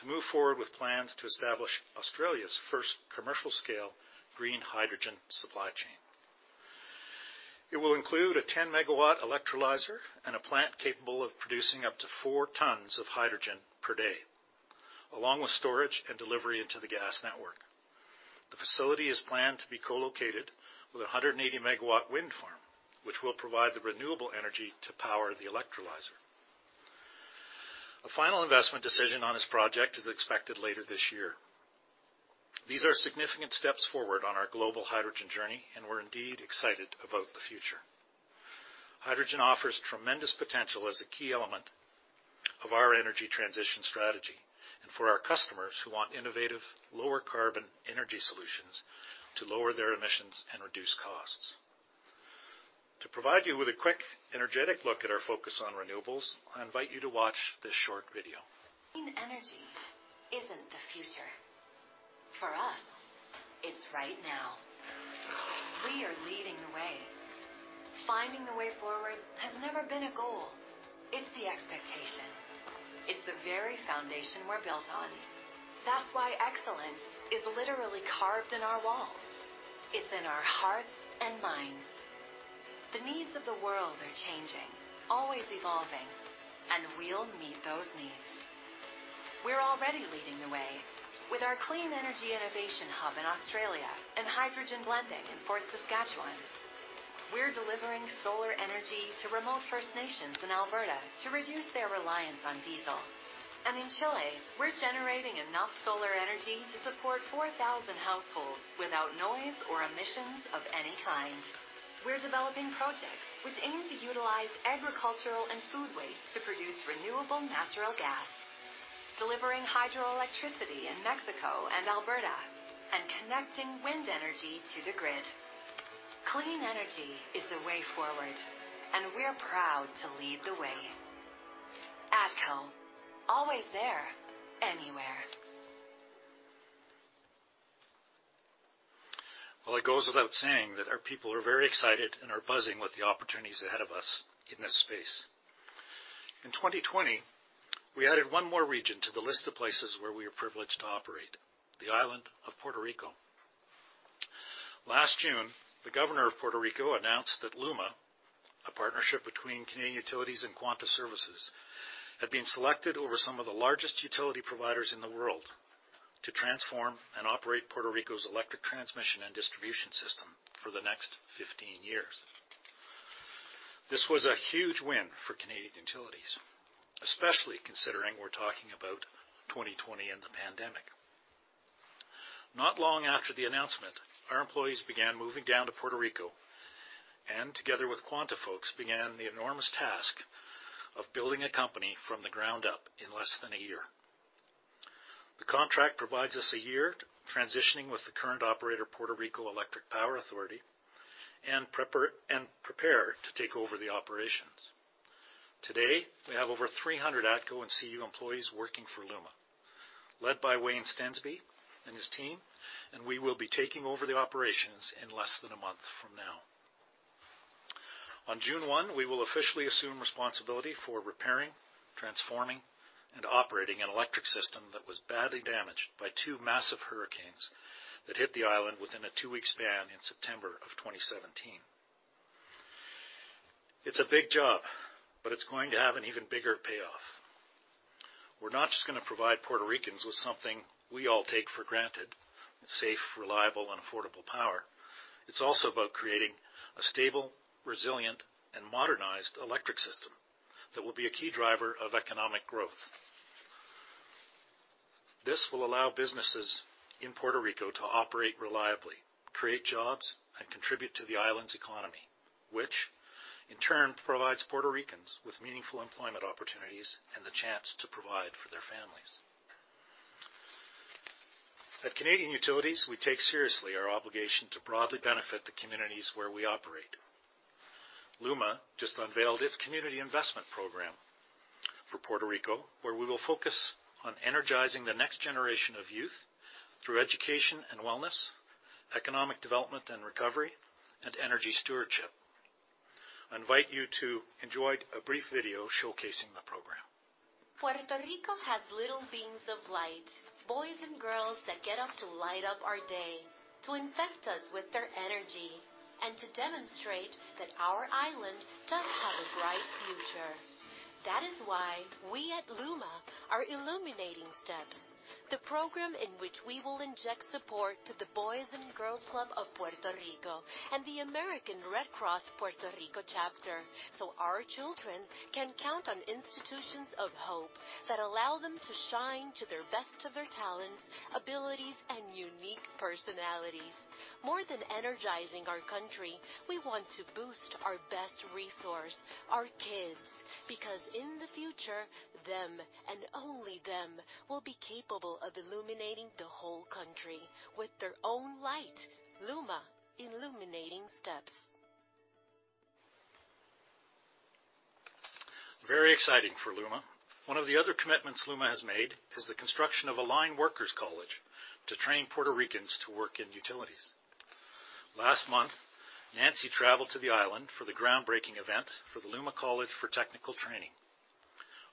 to move forward with plans to establish Australia's first commercial-scale green hydrogen supply chain. It will include a 10 MW electrolyzer and a plant capable of producing up to four tons of hydrogen per day, along with storage and delivery into the gas network. The facility is planned to be co-located with a 180 MW wind farm, which will provide the renewable energy to power the electrolyzer. A final investment decision on this project is expected later this year. These are significant steps forward on our global hydrogen journey, and we're indeed excited about the future. Hydrogen offers tremendous potential as a key element of our energy transition strategy and for our customers who want innovative, lower-carbon energy solutions to lower their emissions and reduce costs. To provide you with a quick, energetic look at our focus on renewables, I invite you to watch this short video. Clean energy isn't the future. For us, it's right now. We are leading the way. Finding the way forward has never been a goal. It's the expectation. It's the very foundation we're built on. That's why excellence is literally carved in our walls. It's in our hearts and minds. The needs of the world are changing, always evolving, and we'll meet those needs. We're already leading the way with our Clean Energy Innovation Hub in Australia and hydrogen blending in Fort Saskatchewan. We're delivering solar energy to remote First Nations in Alberta to reduce their reliance on diesel. In Chile, we're generating enough solar energy to support 4,000 households without noise or emissions of any kind. We're developing projects which aim to utilize agricultural and food waste to produce renewable natural gas, delivering hydroelectricity in Mexico and Alberta, and connecting wind energy to the grid. Clean energy is the way forward, and we're proud to lead the way. ATCO, always there, anywhere. Well, it goes without saying that our people are very excited and are buzzing with the opportunities ahead of us in this space. In 2020, we added one more region to the list of places where we are privileged to operate, the island of Puerto Rico. Last June, the governor of Puerto Rico announced that LUMA, a partnership between Canadian Utilities and Quanta Services, had been selected over some of the largest utility providers in the world to transform and operate Puerto Rico's electric transmission and distribution system for the next 15 years. This was a huge win for Canadian Utilities, especially considering we are talking about 2020 and the pandemic. Not long after the announcement, our employees began moving down to Puerto Rico, and together with Quanta folks, began the enormous task of building a company from the ground up in less than a year. The contract provides us a year transitioning with the current operator, Puerto Rico Electric Power Authority, and prepare to take over the operations. Today, we have over 300 ATCO and CU employees working for LUMA, led by Wayne Stensby and his team, and we will be taking over the operations in less than a month from now. On June 1, we will officially assume responsibility for repairing, transforming, and operating an electric system that was badly damaged by two massive hurricanes that hit the island within a two-week span in September of 2017. It's a big job, but it's going to have an even bigger payoff. We're not just going to provide Puerto Ricans with something we all take for granted, safe, reliable, and affordable power. It's also about creating a stable, resilient, and modernized electric system that will be a key driver of economic growth. This will allow businesses in Puerto Rico to operate reliably, create jobs, and contribute to the island's economy, which in turn provides Puerto Ricans with meaningful employment opportunities and the chance to provide for their families. At Canadian Utilities, we take seriously our obligation to broadly benefit the communities where we operate. LUMA just unveiled its community investment program for Puerto Rico, where we will focus on energizing the next generation of youth through education and wellness, economic development and recovery, and energy stewardship. I invite you to enjoy a brief video showcasing the program. Puerto Rico has little beams of light, boys and girls that get up to light up our day, to infect us with their energy, and to demonstrate that our island does have a bright future. That is why we at LUMA are Illuminating Steps. The program in which we will inject support to the Boys & Girls Clubs of Puerto Rico and the American Red Cross Puerto Rico Chapter, so our children can count on institutions of hope that allow them to shine to their best of their talents, abilities, and unique personalities. More than energizing our country, we want to boost our best resource, our kids, because in the future, them and only them, will be capable of illuminating the whole country with their own light. LUMA, Illuminating Steps. Very exciting for LUMA. One of the other commitments LUMA has made is the construction of a line workers college to train Puerto Ricans to work in utilities. Last month, Nancy traveled to the island for the groundbreaking event for the LUMA College for Technical Training.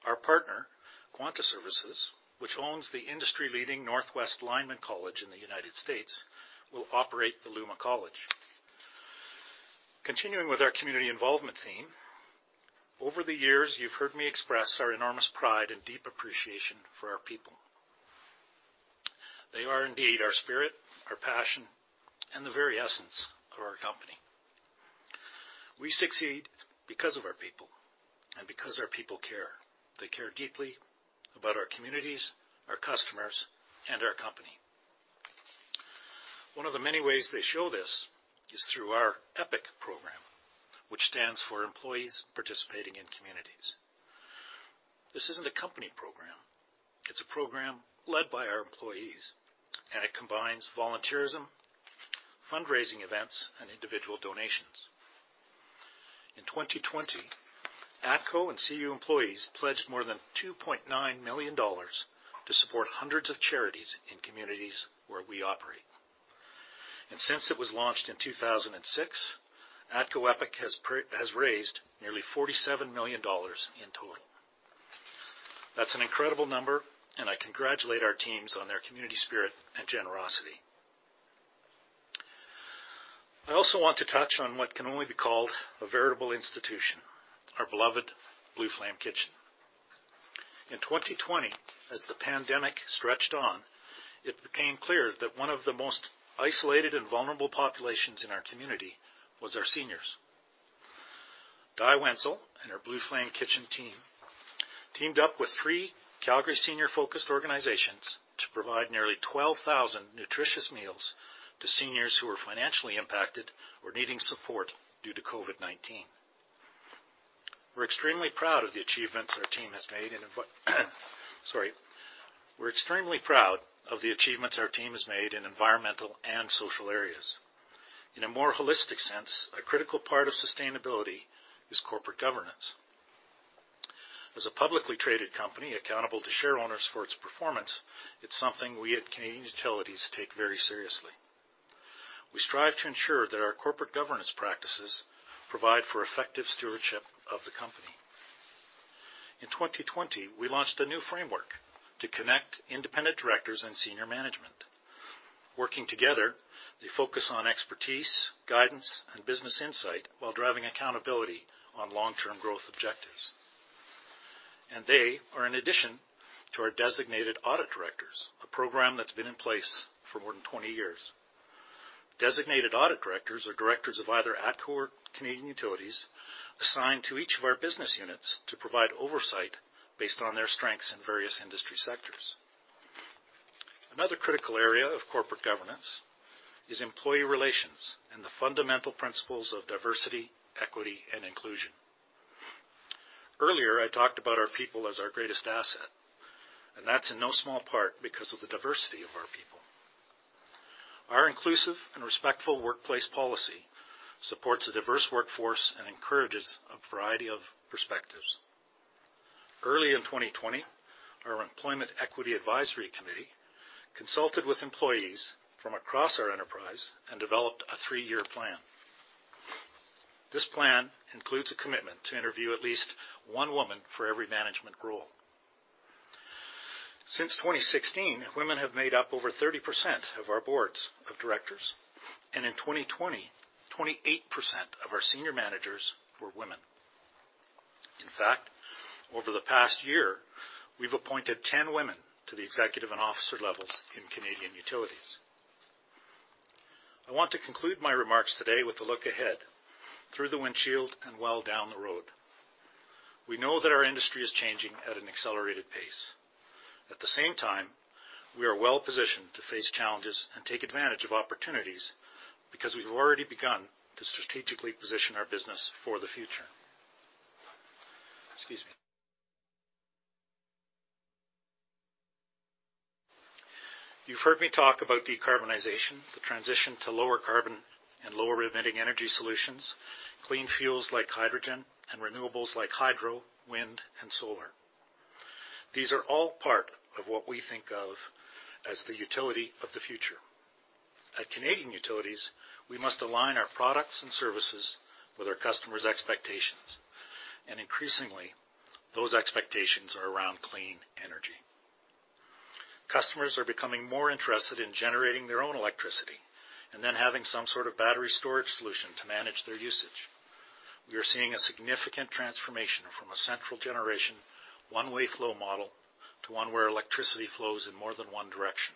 Our partner, Quanta Services, which owns the industry-leading Northwest Lineman College in the United States, will operate the LUMA College. Continuing with our community involvement theme, over the years, you've heard me express our enormous pride and deep appreciation for our people. They are indeed our spirit, our passion, and the very essence of our company. We succeed because of our people and because our people care. They care deeply about our communities, our customers, and our company. One of the many ways they show this is through our EPIC program, which stands for Employees Participating in Communities. This isn't a company program. It's a program led by our employees, and it combines volunteerism, fundraising events, and individual donations. In 2020, ATCO and CU employees pledged more than 2.9 million dollars to support hundreds of charities in communities where we operate. Since it was launched in 2006, ATCO EPIC has raised nearly 47 million dollars in total. That's an incredible number, and I congratulate our teams on their community spirit and generosity. I also want to touch on what can only be called a veritable institution, our beloved Blue Flame Kitchen. In 2020, as the pandemic stretched on, it became clear that one of the most isolated and vulnerable populations in our community was our seniors. Di Wensel and her Blue Flame Kitchen team, teamed up with three Calgary senior-focused organizations to provide nearly 12,000 nutritious meals to seniors who were financially impacted or needing support due to COVID-19. We're extremely proud of the achievements our team has made in environmental and social areas. In a more holistic sense, a critical part of sustainability is corporate governance. As a publicly traded company accountable to shareholders for its performance, it's something we at Canadian Utilities take very seriously. We strive to ensure that our corporate governance practices provide for effective stewardship of the company. In 2020, we launched a new framework to connect independent directors and senior management. Working together, they focus on expertise, guidance, and business insight while driving accountability on long-term growth objectives. They are an addition to our designated audit directors, a program that's been in place for more than 20 years. Designated audit directors are directors of either ATCO or Canadian Utilities, assigned to each of our business units to provide oversight based on their strengths in various industry sectors. Another critical area of corporate governance is employee relations and the fundamental principles of diversity, equity, and inclusion. Earlier, I talked about our people as our greatest asset, and that's in no small part because of the diversity of our people. Our inclusive and respectful workplace policy supports a diverse workforce and encourages a variety of perspectives. Early in 2020, our Employment Equity Advisory Committee consulted with employees from across our enterprise and developed a three-year plan. This plan includes a commitment to interview at least one woman for every management role. Since 2016, women have made up over 30% of our boards of directors, and in 2020, 28% of our senior managers were women. In fact, over the past year, we've appointed 10 women to the executive and officer levels in Canadian Utilities. I want to conclude my remarks today with a look ahead, through the windshield and well down the road. We know that our industry is changing at an accelerated pace. At the same time, we are well-positioned to face challenges and take advantage of opportunities because we've already begun to strategically position our business for the future. Excuse me. You've heard me talk about decarbonization, the transition to lower carbon and lower-emitting energy solutions, clean fuels like hydrogen, and renewables like hydro, wind, and solar. These are all part of what we think of as the utility of the future. At Canadian Utilities, we must align our products and services with our customers' expectations. Increasingly, those expectations are around clean energy. Customers are becoming more interested in generating their own electricity and then having some sort of battery storage solution to manage their usage. We are seeing a significant transformation from a central generation, one-way flow model to one where electricity flows in more than one direction.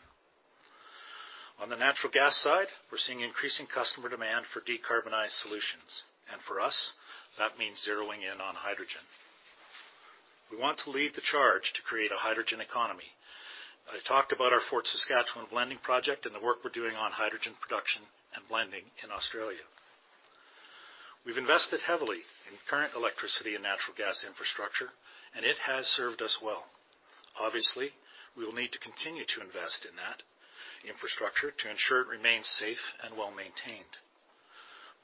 On the natural gas side, we're seeing increasing customer demand for decarbonized solutions. For us, that means zeroing in on hydrogen. We want to lead the charge to create a hydrogen economy. I talked about our Fort Saskatchewan blending project and the work we're doing on hydrogen production and blending in Australia. We've invested heavily in current electricity and natural gas infrastructure, and it has served us well. Obviously, we will need to continue to invest in that infrastructure to ensure it remains safe and well-maintained.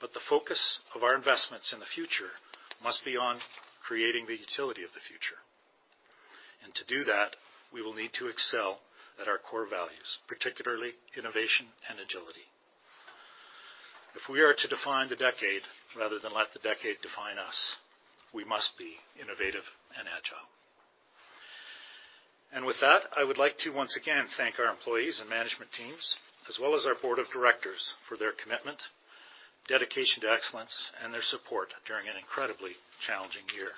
The focus of our investments in the future must be on creating the utility of the future. To do that, we will need to excel at our core values, particularly innovation and agility. If we are to define the decade rather than let the decade define us, we must be innovative and agile. With that, I would like to once again thank our employees and management teams, as well as our board of directors for their commitment, dedication to excellence, and their support during an incredibly challenging year.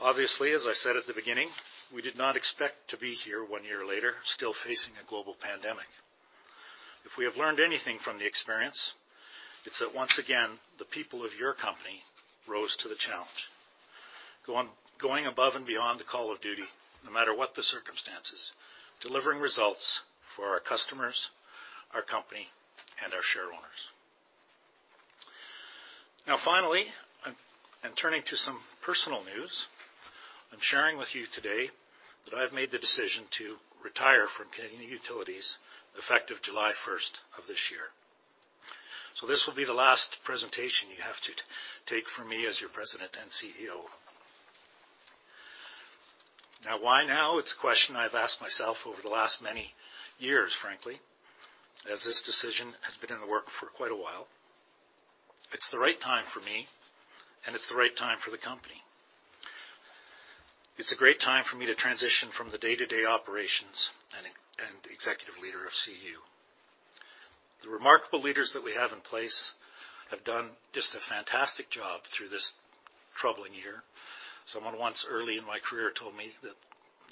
Obviously, as I said at the beginning, we did not expect to be here one year later, still facing a global pandemic. If we have learned anything from the experience, it's that once again, the people of your company rose to the challenge, going above and beyond the call of duty, no matter what the circumstances, delivering results for our customers, our company, and our shareholders. Finally, I'm turning to some personal news. I'm sharing with you today that I've made the decision to retire from Canadian Utilities effective July 1st of this year. This will be the last presentation you have to take from me as your President and CEO. Why now? It's a question I've asked myself over the last many years, frankly, as this decision has been in the works for quite a while. It's the right time for me, and it's the right time for the company. It's a great time for me to transition from the day-to-day operations and executive leader of CU. The remarkable leaders that we have in place have done just a fantastic job through this troubling year. Someone once early in my career told me that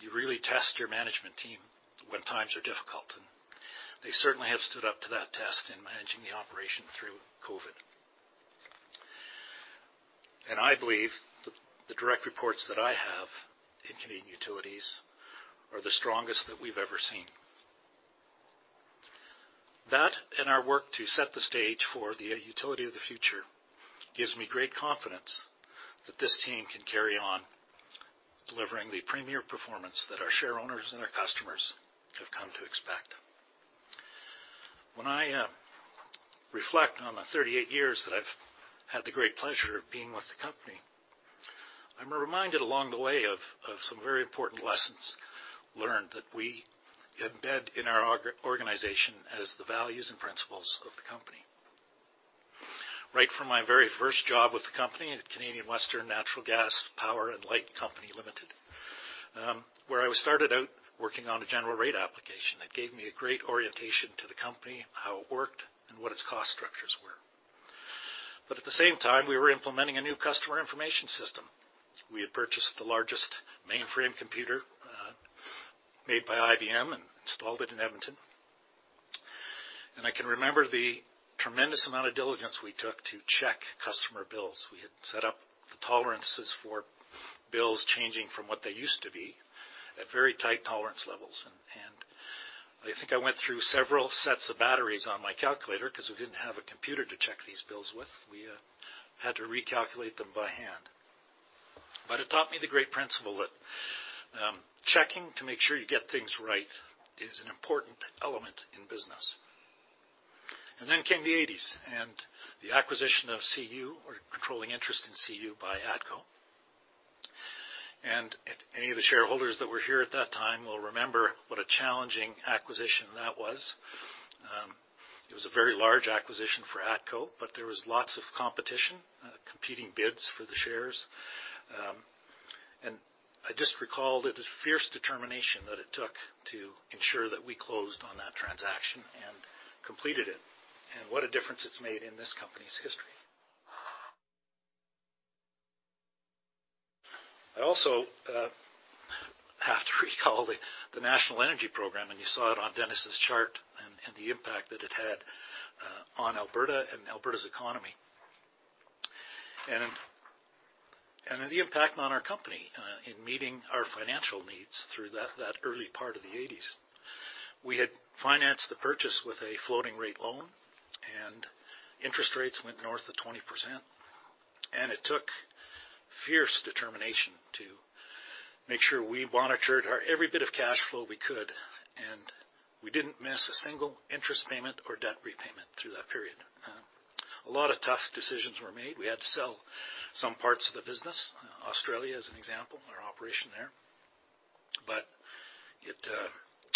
you really test your management team when times are difficult, and they certainly have stood up to that test in managing the operation through COVID. I believe that the direct reports that I have in Canadian Utilities are the strongest that we've ever seen. That, and our work to set the stage for the utility of the future, gives me great confidence that this team can carry on delivering the premier performance that our share owners and our customers have come to expect. When I reflect on the 38 years that I've had the great pleasure of being with the company, I'm reminded along the way of some very important lessons learned that we embed in our organization as the values and principles of the company. Right from my very first job with the company at Canadian Western Natural Gas Power and Light Company Limited, where I was started out working on a general rate application that gave me a great orientation to the company, how it worked, and what its cost structures were. At the same time, we were implementing a new customer information system. We had purchased the largest mainframe computer made by IBM and installed it in Edmonton. I can remember the tremendous amount of diligence we took to check customer bills. We had set up the tolerances for bills changing from what they used to be at very tight tolerance levels. I think I went through several sets of batteries on my calculator because we didn't have a computer to check these bills with. We had to recalculate them by hand. It taught me the great principle that checking to make sure you get things right is an important element in business. Came the 1980s and the acquisition of CU or controlling interest in CU by ATCO. If any of the shareholders that were here at that time will remember what a challenging acquisition that was. It was a very large acquisition for ATCO, but there was lots of competition, competing bids for the shares. I just recalled the fierce determination that it took to ensure that we closed on that transaction and completed it, and what a difference it's made in this company's history. I also have to recall the National Energy Program, and you saw it on Dennis's chart and the impact that it had on Alberta and Alberta's economy. The impact on our company in meeting our financial needs through that early part of the 1980s. We had financed the purchase with a floating rate loan, and interest rates went north of 20%. It took fierce determination to make sure we monitored our every bit of cash flow we could, and we didn't miss a single interest payment or debt repayment through that period. A lot of tough decisions were made. We had to sell some parts of the business, Australia, as an example, our operation there.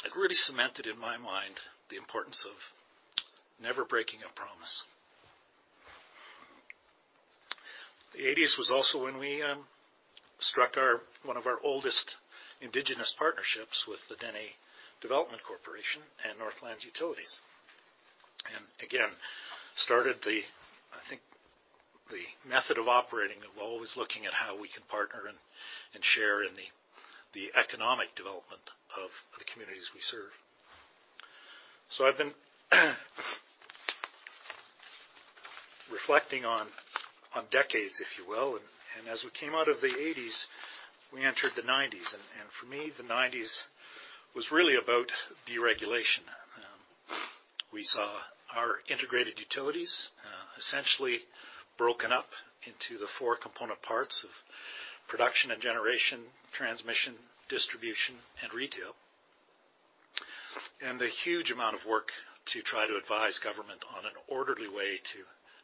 It really cemented in my mind the importance of never breaking a promise. The 1980s was also when we struck one of our oldest Indigenous partnerships with the Dene Development Corporation and Northland Utilities. Again, started the, I think, the method of operating of always looking at how we can partner and share in the economic development of the communities we serve. I've been reflecting on decades, if you will. As we came out of the 1980s, we entered the 1990s. For me, the 1990s was really about deregulation. We saw our integrated utilities essentially broken up into the four component parts of production and generation, transmission, distribution, and retail. The huge amount of work to try to advise government on an orderly way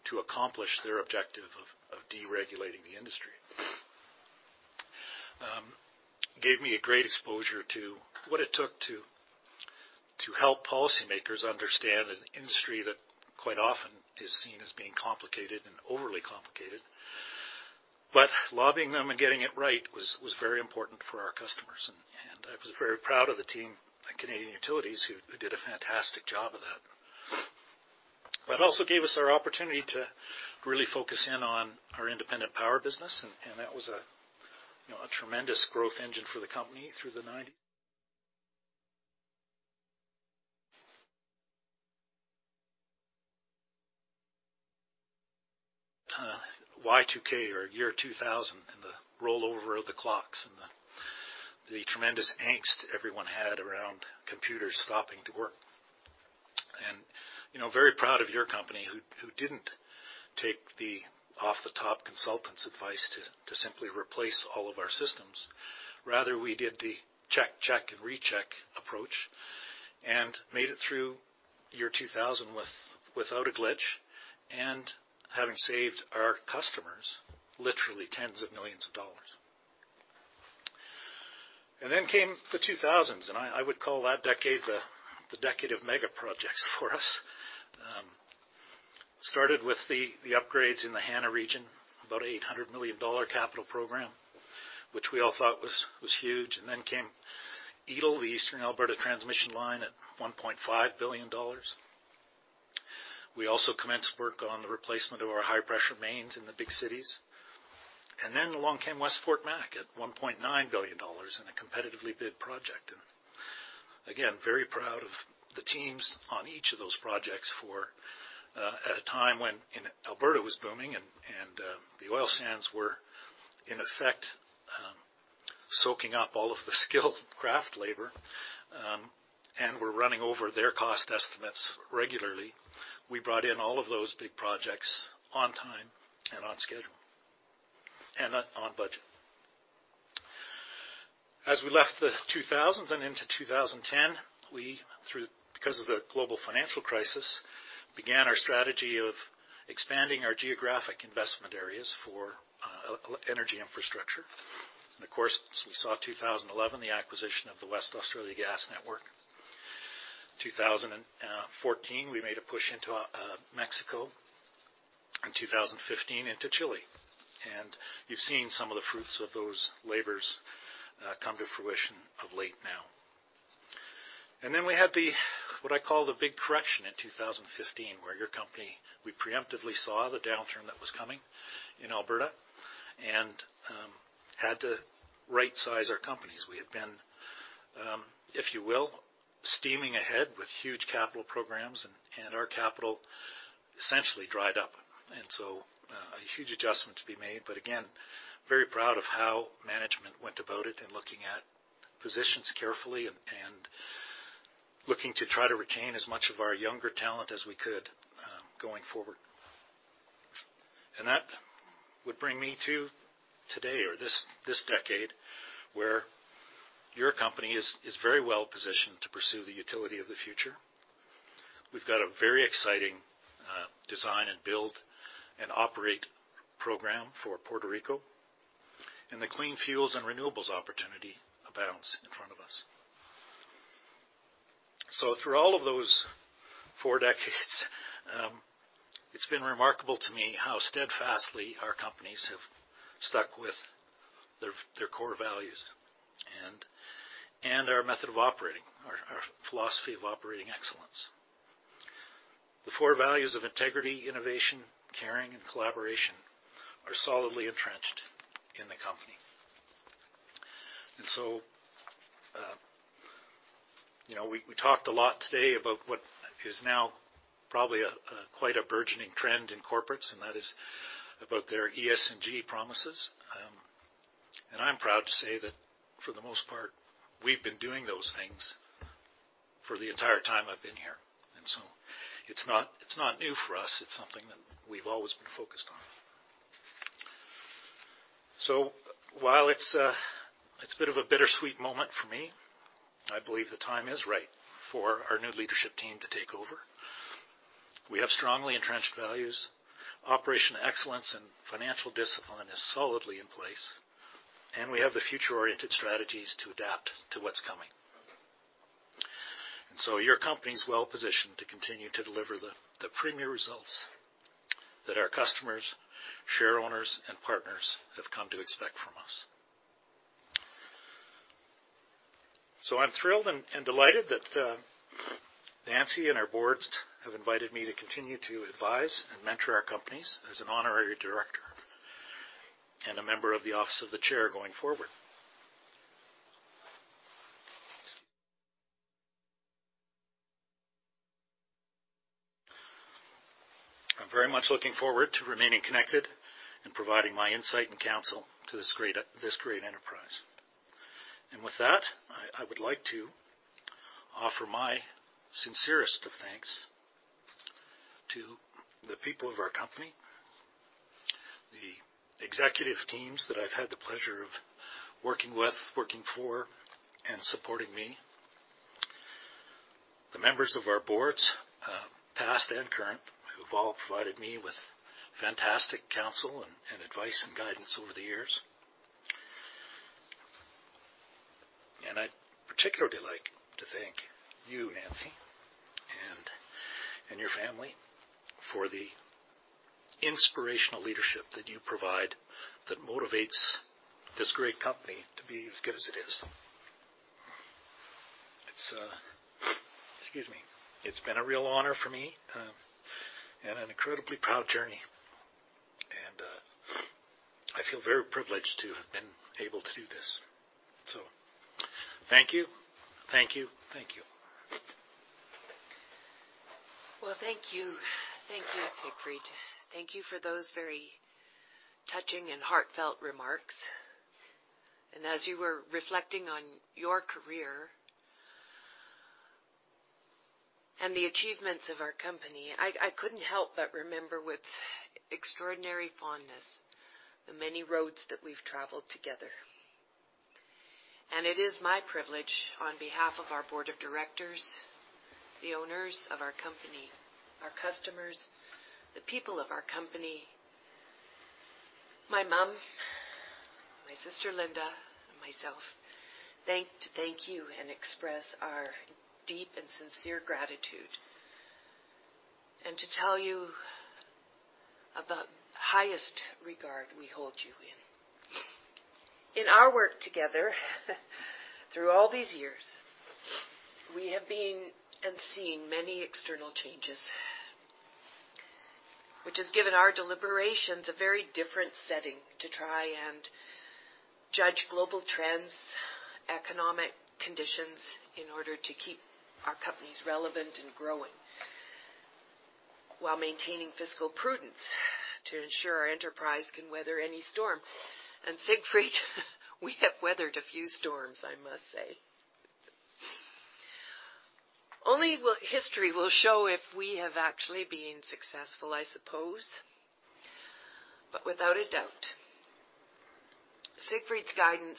to accomplish their objective of deregulating the industry. It gave me a great exposure to what it took to help policymakers understand an industry that quite often is seen as being complicated and overly complicated. Lobbying them and getting it right was very important for our customers. I was very proud of the team at Canadian Utilities who did a fantastic job of that. It also gave us our opportunity to really focus in on our independent power business, and that was a tremendous growth engine for the company through the 1990s. Y2K or year 2000 and the rollover of the clocks and the tremendous angst everyone had around computers stopping to work. Very proud of your company, who didn't take the off-the-top consultant's advice to simply replace all of our systems. Rather, we did the check, and recheck approach and made it through year 2000 without a glitch, and having saved our customers literally tens of millions of dollars. Then came the 2000s, and I would call that decade the decade of mega projects for us. Started with the upgrades in the Hanna region, about a 800 million dollar capital program, which we all thought was huge. Then came EATL, the Eastern Alberta Transmission Line, at 1.5 billion dollars. We also commenced work on the replacement of our high-pressure mains in the big cities. Then along came West Fort Mac at 1.9 billion dollars in a competitively bid project. Again, very proud of the teams on each of those projects for, at a time when Alberta was booming and the oil sands were, in effect, soaking up all of the skilled craft labor, and were running over their cost estimates regularly. We brought in all of those big projects on time and on schedule, and on budget. As we left the 2000s and into 2010, we, because of the global financial crisis, began our strategy of expanding our geographic investment areas for energy infrastructure. Of course, as we saw 2011, the acquisition of the West Australia Gas Network. 2014, we made a push into Mexico. In 2015, into Chile. You've seen some of the fruits of those labors come to fruition of late now. Then we had, what I call the big correction in 2015, where your company, we preemptively saw the downturn that was coming in Alberta and had to rightsize our companies. We had been, if you will, steaming ahead with huge capital programs, and our capital essentially dried up. A huge adjustment to be made, but again, very proud of how management went about it in looking at positions carefully and looking to try to retain as much of our younger talent as we could going forward. That would bring me to today or this decade, where your company is very well-positioned to pursue the utility of the future. We've got a very exciting design and build and operate program for Puerto Rico and the clean fuels and renewables opportunity abounds in front of us. Through all of those four decades, it's been remarkable to me how steadfastly our companies have stuck with their core values and our method of operating, our philosophy of operating excellence. The four values of integrity, innovation, caring, and collaboration are solidly entrenched in the company. We talked a lot today about what is now probably quite a burgeoning trend in corporates, and that is about their ES&G promises. I'm proud to say that for the most part, we've been doing those things for the entire time I've been here. It's not new for us. It's something that we've always been focused on. While it's a bit of a bittersweet moment for me, I believe the time is right for our new leadership team to take over. We have strongly entrenched values, operation excellence, and financial discipline is solidly in place, and we have the future-oriented strategies to adapt to what's coming. Your company's well-positioned to continue to deliver the premier results that our customers, shareowners, and partners have come to expect from us. I'm thrilled and delighted that Nancy and our boards have invited me to continue to advise and mentor our companies as an honorary director and a member of the Office of the Chair going forward. I'm very much looking forward to remaining connected and providing my insight and counsel to this great enterprise. With that, I would like to offer my sincerest of thanks to the people of our company, the executive teams that I've had the pleasure of working with, working for, and supporting me, the members of our boards, past and current, who've all provided me with fantastic counsel and advice and guidance over the years. I'd particularly like to thank you, Nancy, and your family for the inspirational leadership that you provide that motivates this great company to be as good as it is. Excuse me. It's been a real honor for me and an incredibly proud journey, and I feel very privileged to have been able to do this. Thank you, thank you, thank you. Well, thank you. Thank you, Siegfried. Thank you for those very touching and heartfelt remarks. As you were reflecting on your career and the achievements of our company, I couldn't help but remember with extraordinary fondness the many roads that we've traveled together. It is my privilege, on behalf of our board of directors, the owners of our company, our customers, the people of our company, my mom, my sister Linda, and myself, to thank you and express our deep and sincere gratitude, and to tell you of the highest regard we hold you in. In our work together, through all these years, we have been and seen many external changes, which has given our deliberations a very different setting to try and judge global trends, economic conditions, in order to keep our companies relevant and growing while maintaining fiscal prudence to ensure our enterprise can weather any storm. Siegfried, we have weathered a few storms, I must say. Only history will show if we have actually been successful, I suppose. Without a doubt, Siegfried's guidance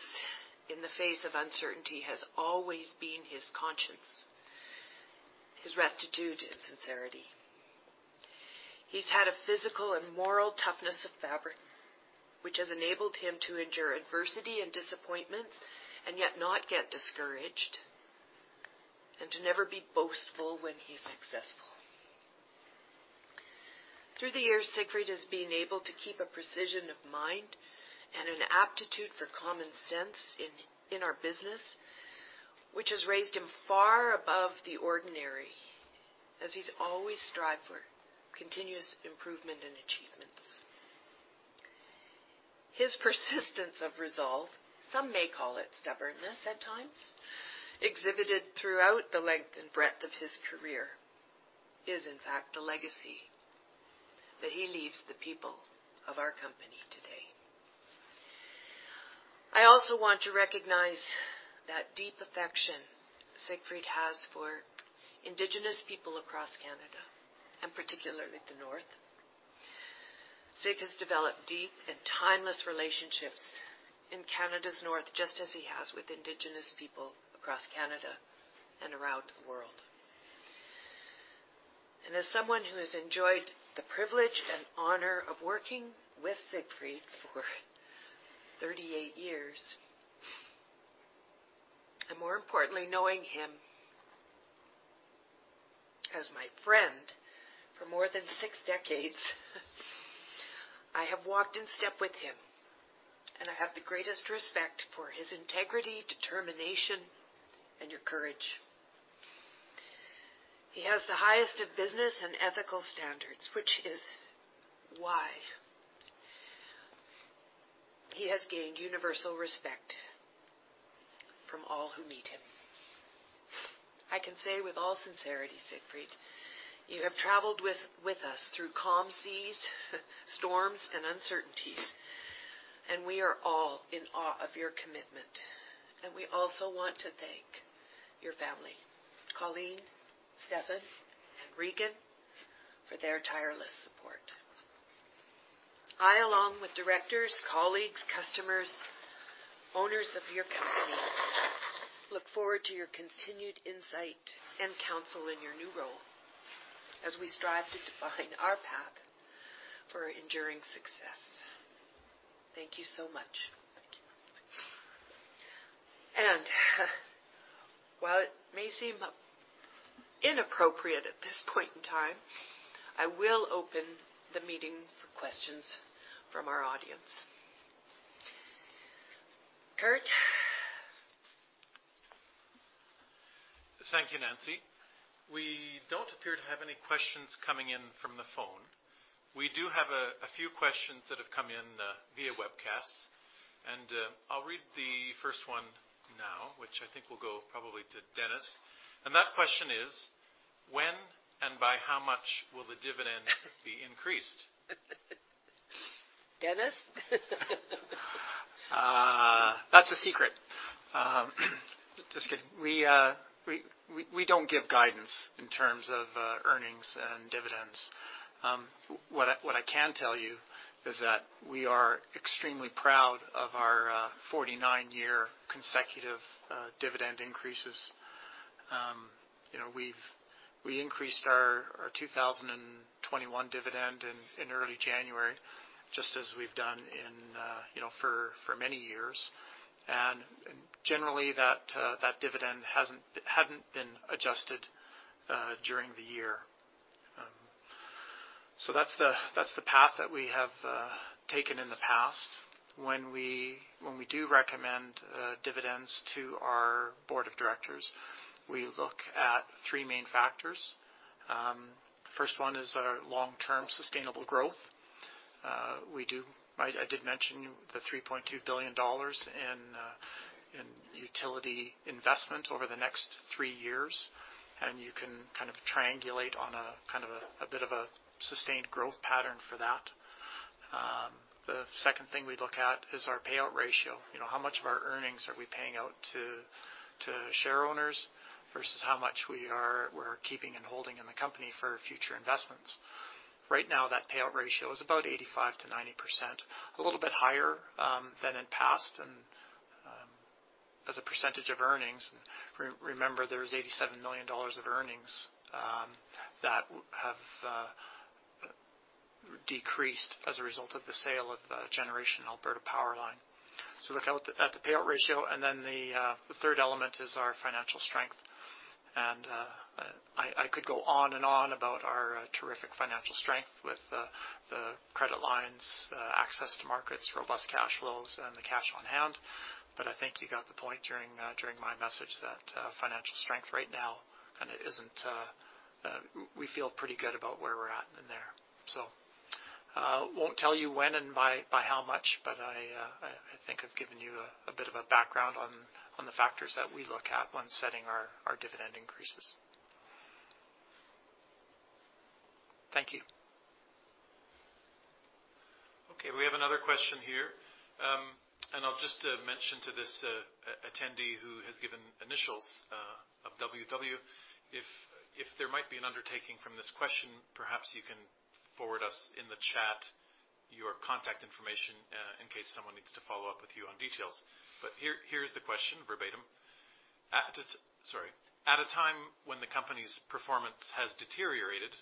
in the face of uncertainty has always been his conscience, his rectitude, and sincerity. He's had a physical and moral toughness of fabric, which has enabled him to endure adversity and disappointments and yet not get discouraged, and to never be boastful when he's successful. Through the years, Siegfried has been able to keep a precision of mind and an aptitude for common sense in our business, which has raised him far above the ordinary, as he's always strived for continuous improvement and achievements. His persistence of resolve, some may call it stubbornness at times, exhibited throughout the length and breadth of his career, is in fact the legacy that he leaves the people of our company today. I also want to recognize that deep affection Siegfried has for Indigenous people across Canada, and particularly the North. Sieg has developed deep and timeless relationships in Canada's North, just as he has with Indigenous people across Canada and around the world. As someone who has enjoyed the privilege and honor of working with Siegfried for 38 years, and more importantly, knowing him as my friend for more than six decades, I have walked in step with him, and I have the greatest respect for his integrity, determination, and his courage. He has the highest of business and ethical standards, which is why he has gained universal respect from all who meet him. I can say with all sincerity, Siegfried, you have traveled with us through calm seas, storms, and uncertainties. We are all in awe of your commitment. We also want to thank your family, Colleen, Stefan, and Reagan, for their tireless support. I, along with directors, colleagues, customers, owners of your company, look forward to your continued insight and counsel in your new role as we strive to define our path for enduring success. Thank you so much. Thank you. While it may seem inappropriate at this point in time, I will open the meeting for questions from our audience. Kurt? Thank you, Nancy. We don't appear to have any questions coming in from the phone. We do have a few questions that have come in via webcast. I'll read the first one now, which I think will go probably to Dennis. That question is, when and by how much will the dividend be increased? Dennis? That's a secret. Just kidding. We don't give guidance in terms of earnings and dividends. What I can tell you is that we are extremely proud of our 49-year consecutive dividend increases. We increased our 2021 dividend in early January, just as we've done for many years. Generally, that dividend hadn't been adjusted during the year. That's the path that we have taken in the past. When we do recommend dividends to our board of directors, we look at three main factors. The first one is our long-term sustainable growth. We do. I did mention the 3.2 billion dollars in utility investment over the next three years, and you can kind of triangulate on a bit of a sustained growth pattern for that. The second thing we'd look at is our payout ratio, how much of our earnings are we paying out to share owners versus how much we're keeping and holding in the company for future investments. Right now, that payout ratio is about 85%-90%, a little bit higher than in past. As a percentage of earnings, remember, there's 87 million dollars of earnings that have decreased as a result of the sale of generation Alberta PowerLine. Look at the payout ratio. Then the third element is our financial strength. I could go on and on about our terrific financial strength with the credit lines, access to markets, robust cash flows, and the cash on hand. I think you got the point during my message that financial strength right now. We feel pretty good about where we're at in there. Won't tell you when and by how much, but I think I've given you a bit of a background on the factors that we look at when setting our dividend increases. Thank you. Okay, we have another question here. I'll just mention to this attendee, who has given initials of WW, if there might be an undertaking from this question, perhaps you can forward us in the chat your contact information, in case someone needs to follow up with you on details. Here's the question verbatim. Sorry. At a time when the company's performance has deteriorated,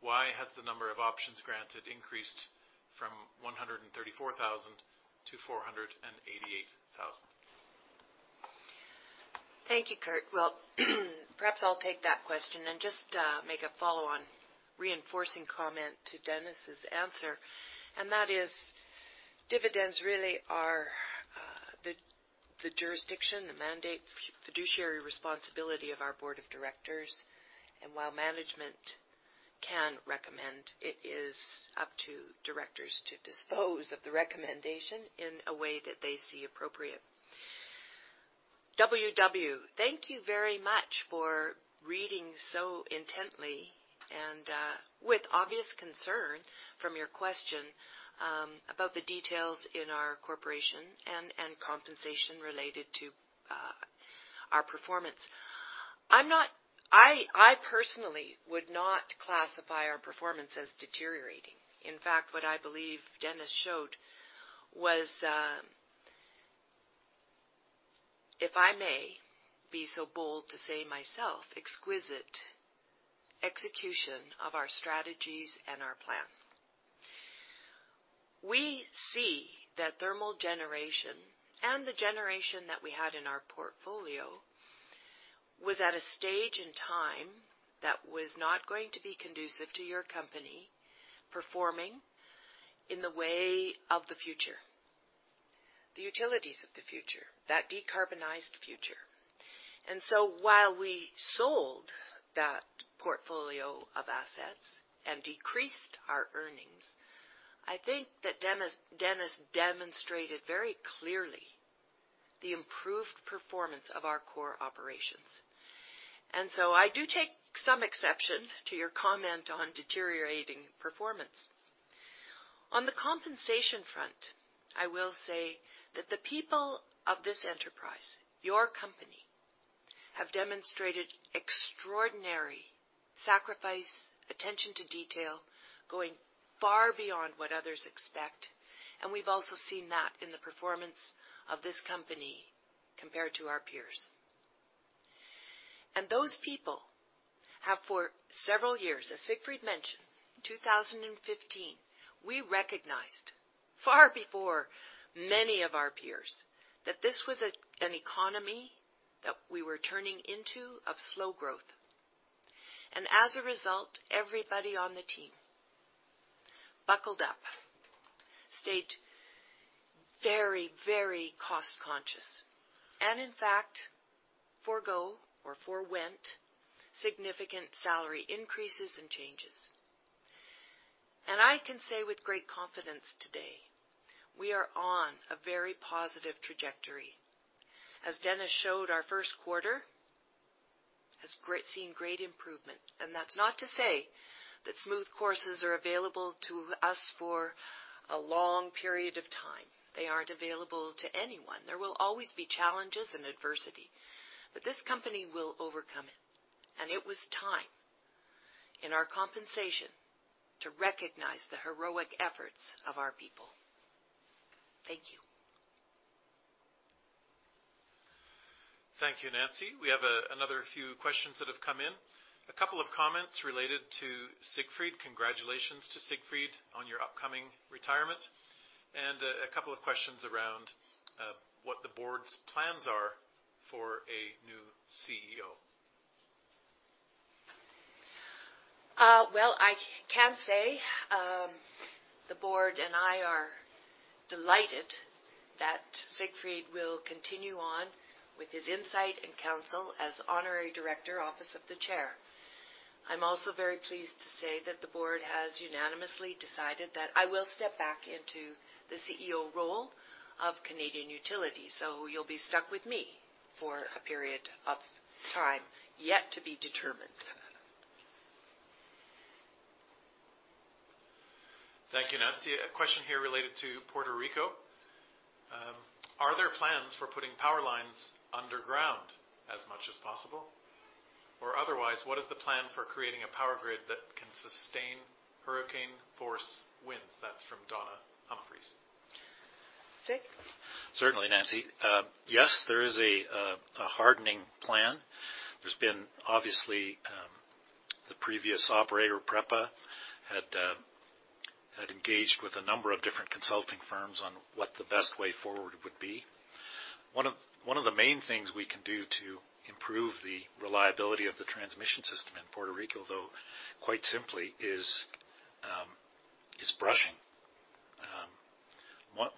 why has the number of options granted increased from 134,000 to 488,000? Thank you, Kurt. Well, perhaps I'll take that question and just make a follow-on reinforcing comment to Dennis's answer. That is, dividends really are the jurisdiction, the mandate, fiduciary responsibility of our board of directors. While management can recommend, it is up to directors to dispose of the recommendation in a way that they see appropriate. WW, thank you very much for reading so intently and with obvious concern from your question about the details in our corporation and compensation related to our performance. I personally would not classify our performance as deteriorating. In fact, what I believe Dennis showed was, if I may be so bold to say myself, exquisite execution of our strategies and our plan. We see that thermal generation and the generation that we had in our portfolio was at a stage in time that was not going to be conducive to your company performing in the way of the future, the utilities of the future, that decarbonized future. While we sold that portfolio of assets and decreased our earnings, I think that Dennis demonstrated very clearly the improved performance of our core operations. I do take some exception to your comment on deteriorating performance. On the compensation front, I will say that the people of this enterprise, your company, have demonstrated extraordinary sacrifice, attention to detail, going far beyond what others expect, and we've also seen that in the performance of this company compared to our peers. Those people have for several years, as Siegfried mentioned, 2015, we recognized far before many of our peers that this was an economy that we were turning into of slow growth. As a result, everybody on the team buckled up, stayed very cost-conscious, and in fact, forgo or forwent significant salary increases and changes. I can say with great confidence today, we are on a very positive trajectory. As Dennis showed, our first quarter has seen great improvement, and that's not to say that smooth courses are available to us for a long period of time. They aren't available to anyone. There will always be challenges and adversity. This company will overcome it, and it was time in our compensation to recognize the heroic efforts of our people. Thank you. Thank you, Nancy. We have another few questions that have come in. A couple of comments related to Siegfried. Congratulations to Siegfried on your upcoming retirement. A couple of questions around what the board's plans are for a new CEO. Well, I can say the board and I am delighted that Siegfried will continue on with his insight and counsel as Honorary Director, Office of the Chair. I'm also very pleased to say that the board has unanimously decided that I will step back into the CEO role of Canadian Utilities. You'll be stuck with me for a period of time, yet to be determined. Thank you, Nancy. A question here related to Puerto Rico. Are there plans for putting power lines underground as much as possible? Otherwise, what is the plan for creating a power grid that can sustain hurricane force winds? That's from Donna Humphreys. Sieg? Certainly, Nancy. Yes, there is a hardening plan. There's been, obviously, the previous operator, PREPA, had engaged with a number of different consulting firms on what the best way forward would be. One of the main things we can do to improve the reliability of the transmission system in Puerto Rico, though, quite simply, is brushing.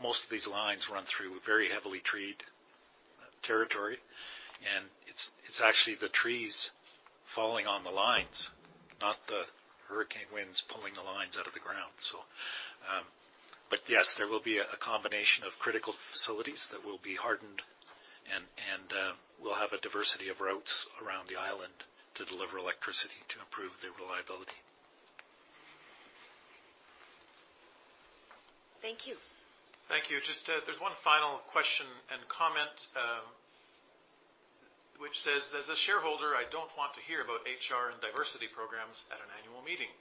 Most of these lines run through very heavily treed territory, and it's actually the trees falling on the lines, not the hurricane winds pulling the lines out of the ground. Yes, there will be a combination of critical facilities that will be hardened, and we'll have a diversity of routes around the island to deliver electricity to improve their reliability. Thank you. Thank you. Just there's one final question and comment, which says, "As a shareholder, I don't want to hear about HR and diversity programs at an annual meeting.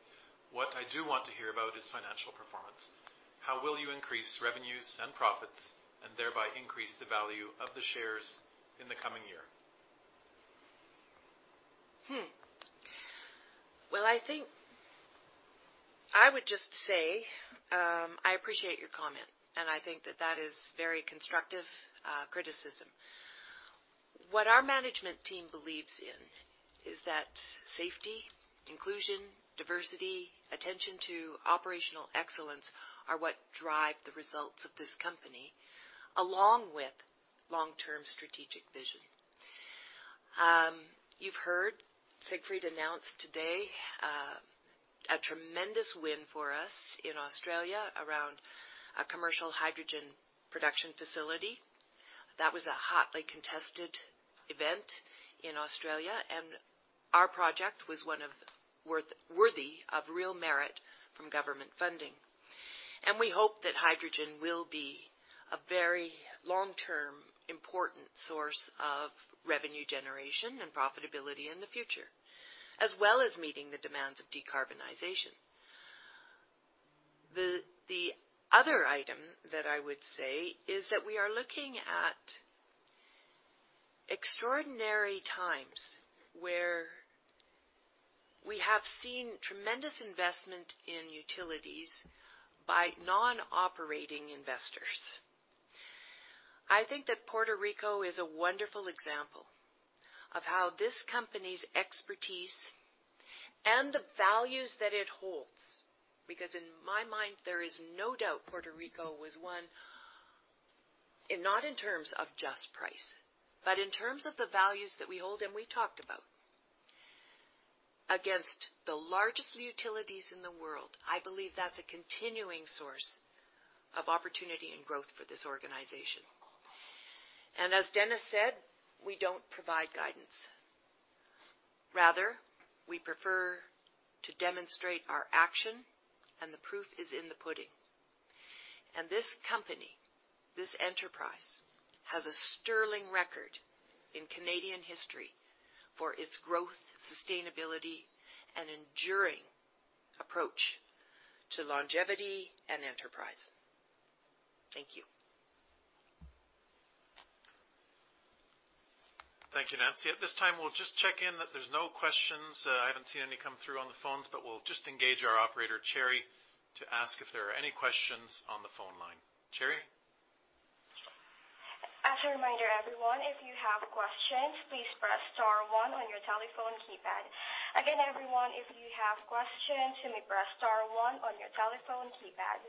What I do want to hear about is financial performance. How will you increase revenues and profits, and thereby increase the value of the shares in the coming year?" Well, I think I would just say, I appreciate your comment, and I think that that is very constructive criticism. What our management team believes in is that safety, inclusion, diversity, attention to operational excellence are what drive the results of this company, along with long-term strategic vision. You've heard Siegfried announce today a tremendous win for us in Australia around a commercial hydrogen production facility. That was a hotly contested event in Australia, and our project was worthy of real merit from government funding. We hope that hydrogen will be a very long-term important source of revenue generation and profitability in the future, as well as meeting the demands of decarbonization. The other item that I would say is that we are looking at extraordinary times where we have seen tremendous investment in utilities by non-operating investors. I think that Puerto Rico is a wonderful example of how this company's expertise and the values that it holds, because in my mind, there is no doubt Puerto Rico was one, and not in terms of just price, but in terms of the values that we hold and we talked about, against the largest utilities in the world. I believe that's a continuing source of opportunity and growth for this organization. As Dennis said, we don't provide guidance. Rather, we prefer to demonstrate our action, and the proof is in the pudding. This company, this enterprise, has a sterling record in Canadian history for its growth, sustainability, and enduring approach to longevity and enterprise. Thank you. Thank you, Nancy. At this time, we'll just check in that there's no questions. I haven't seen any come through on the phones. We'll just engage our operator, Cherry, to ask if there are any questions on the phone line. Cherry? As a reminder, everyone, if you have questions, please press star one on your telephone keypad. Everyone, if you have questions, you may press star one on your telephone keypad.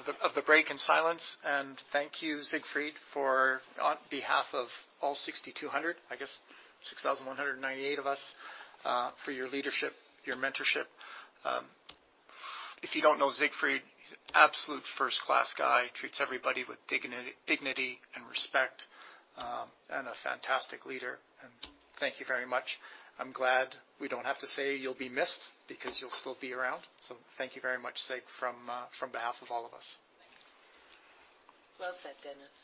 I'm going to take advantage of the break in silence. Thank you, Siegfried, on behalf of all 6,200, I guess 6,198 of us, for your leadership, your mentorship. If you don't know Siegfried, he's an absolute first-class guy, treats everybody with dignity and respect, and a fantastic leader. Thank you very much. I'm glad we don't have to say you'll be missed because you'll still be around. Thank you very much, Sieg, on behalf of all of us. Love that, Dennis.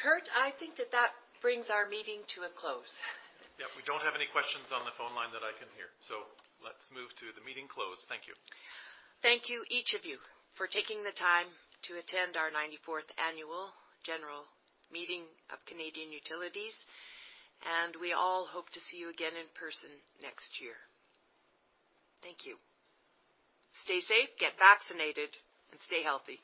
Kurt, I think that that brings our meeting to a close. Yep. We don't have any questions on the phone line that I can hear. Let's move to the meeting close. Thank you. Thank you, each of you, for taking the time to attend our 94th annual general meeting of Canadian Utilities. We all hope to see you again in person next year. Thank you. Stay safe, get vaccinated, and stay healthy.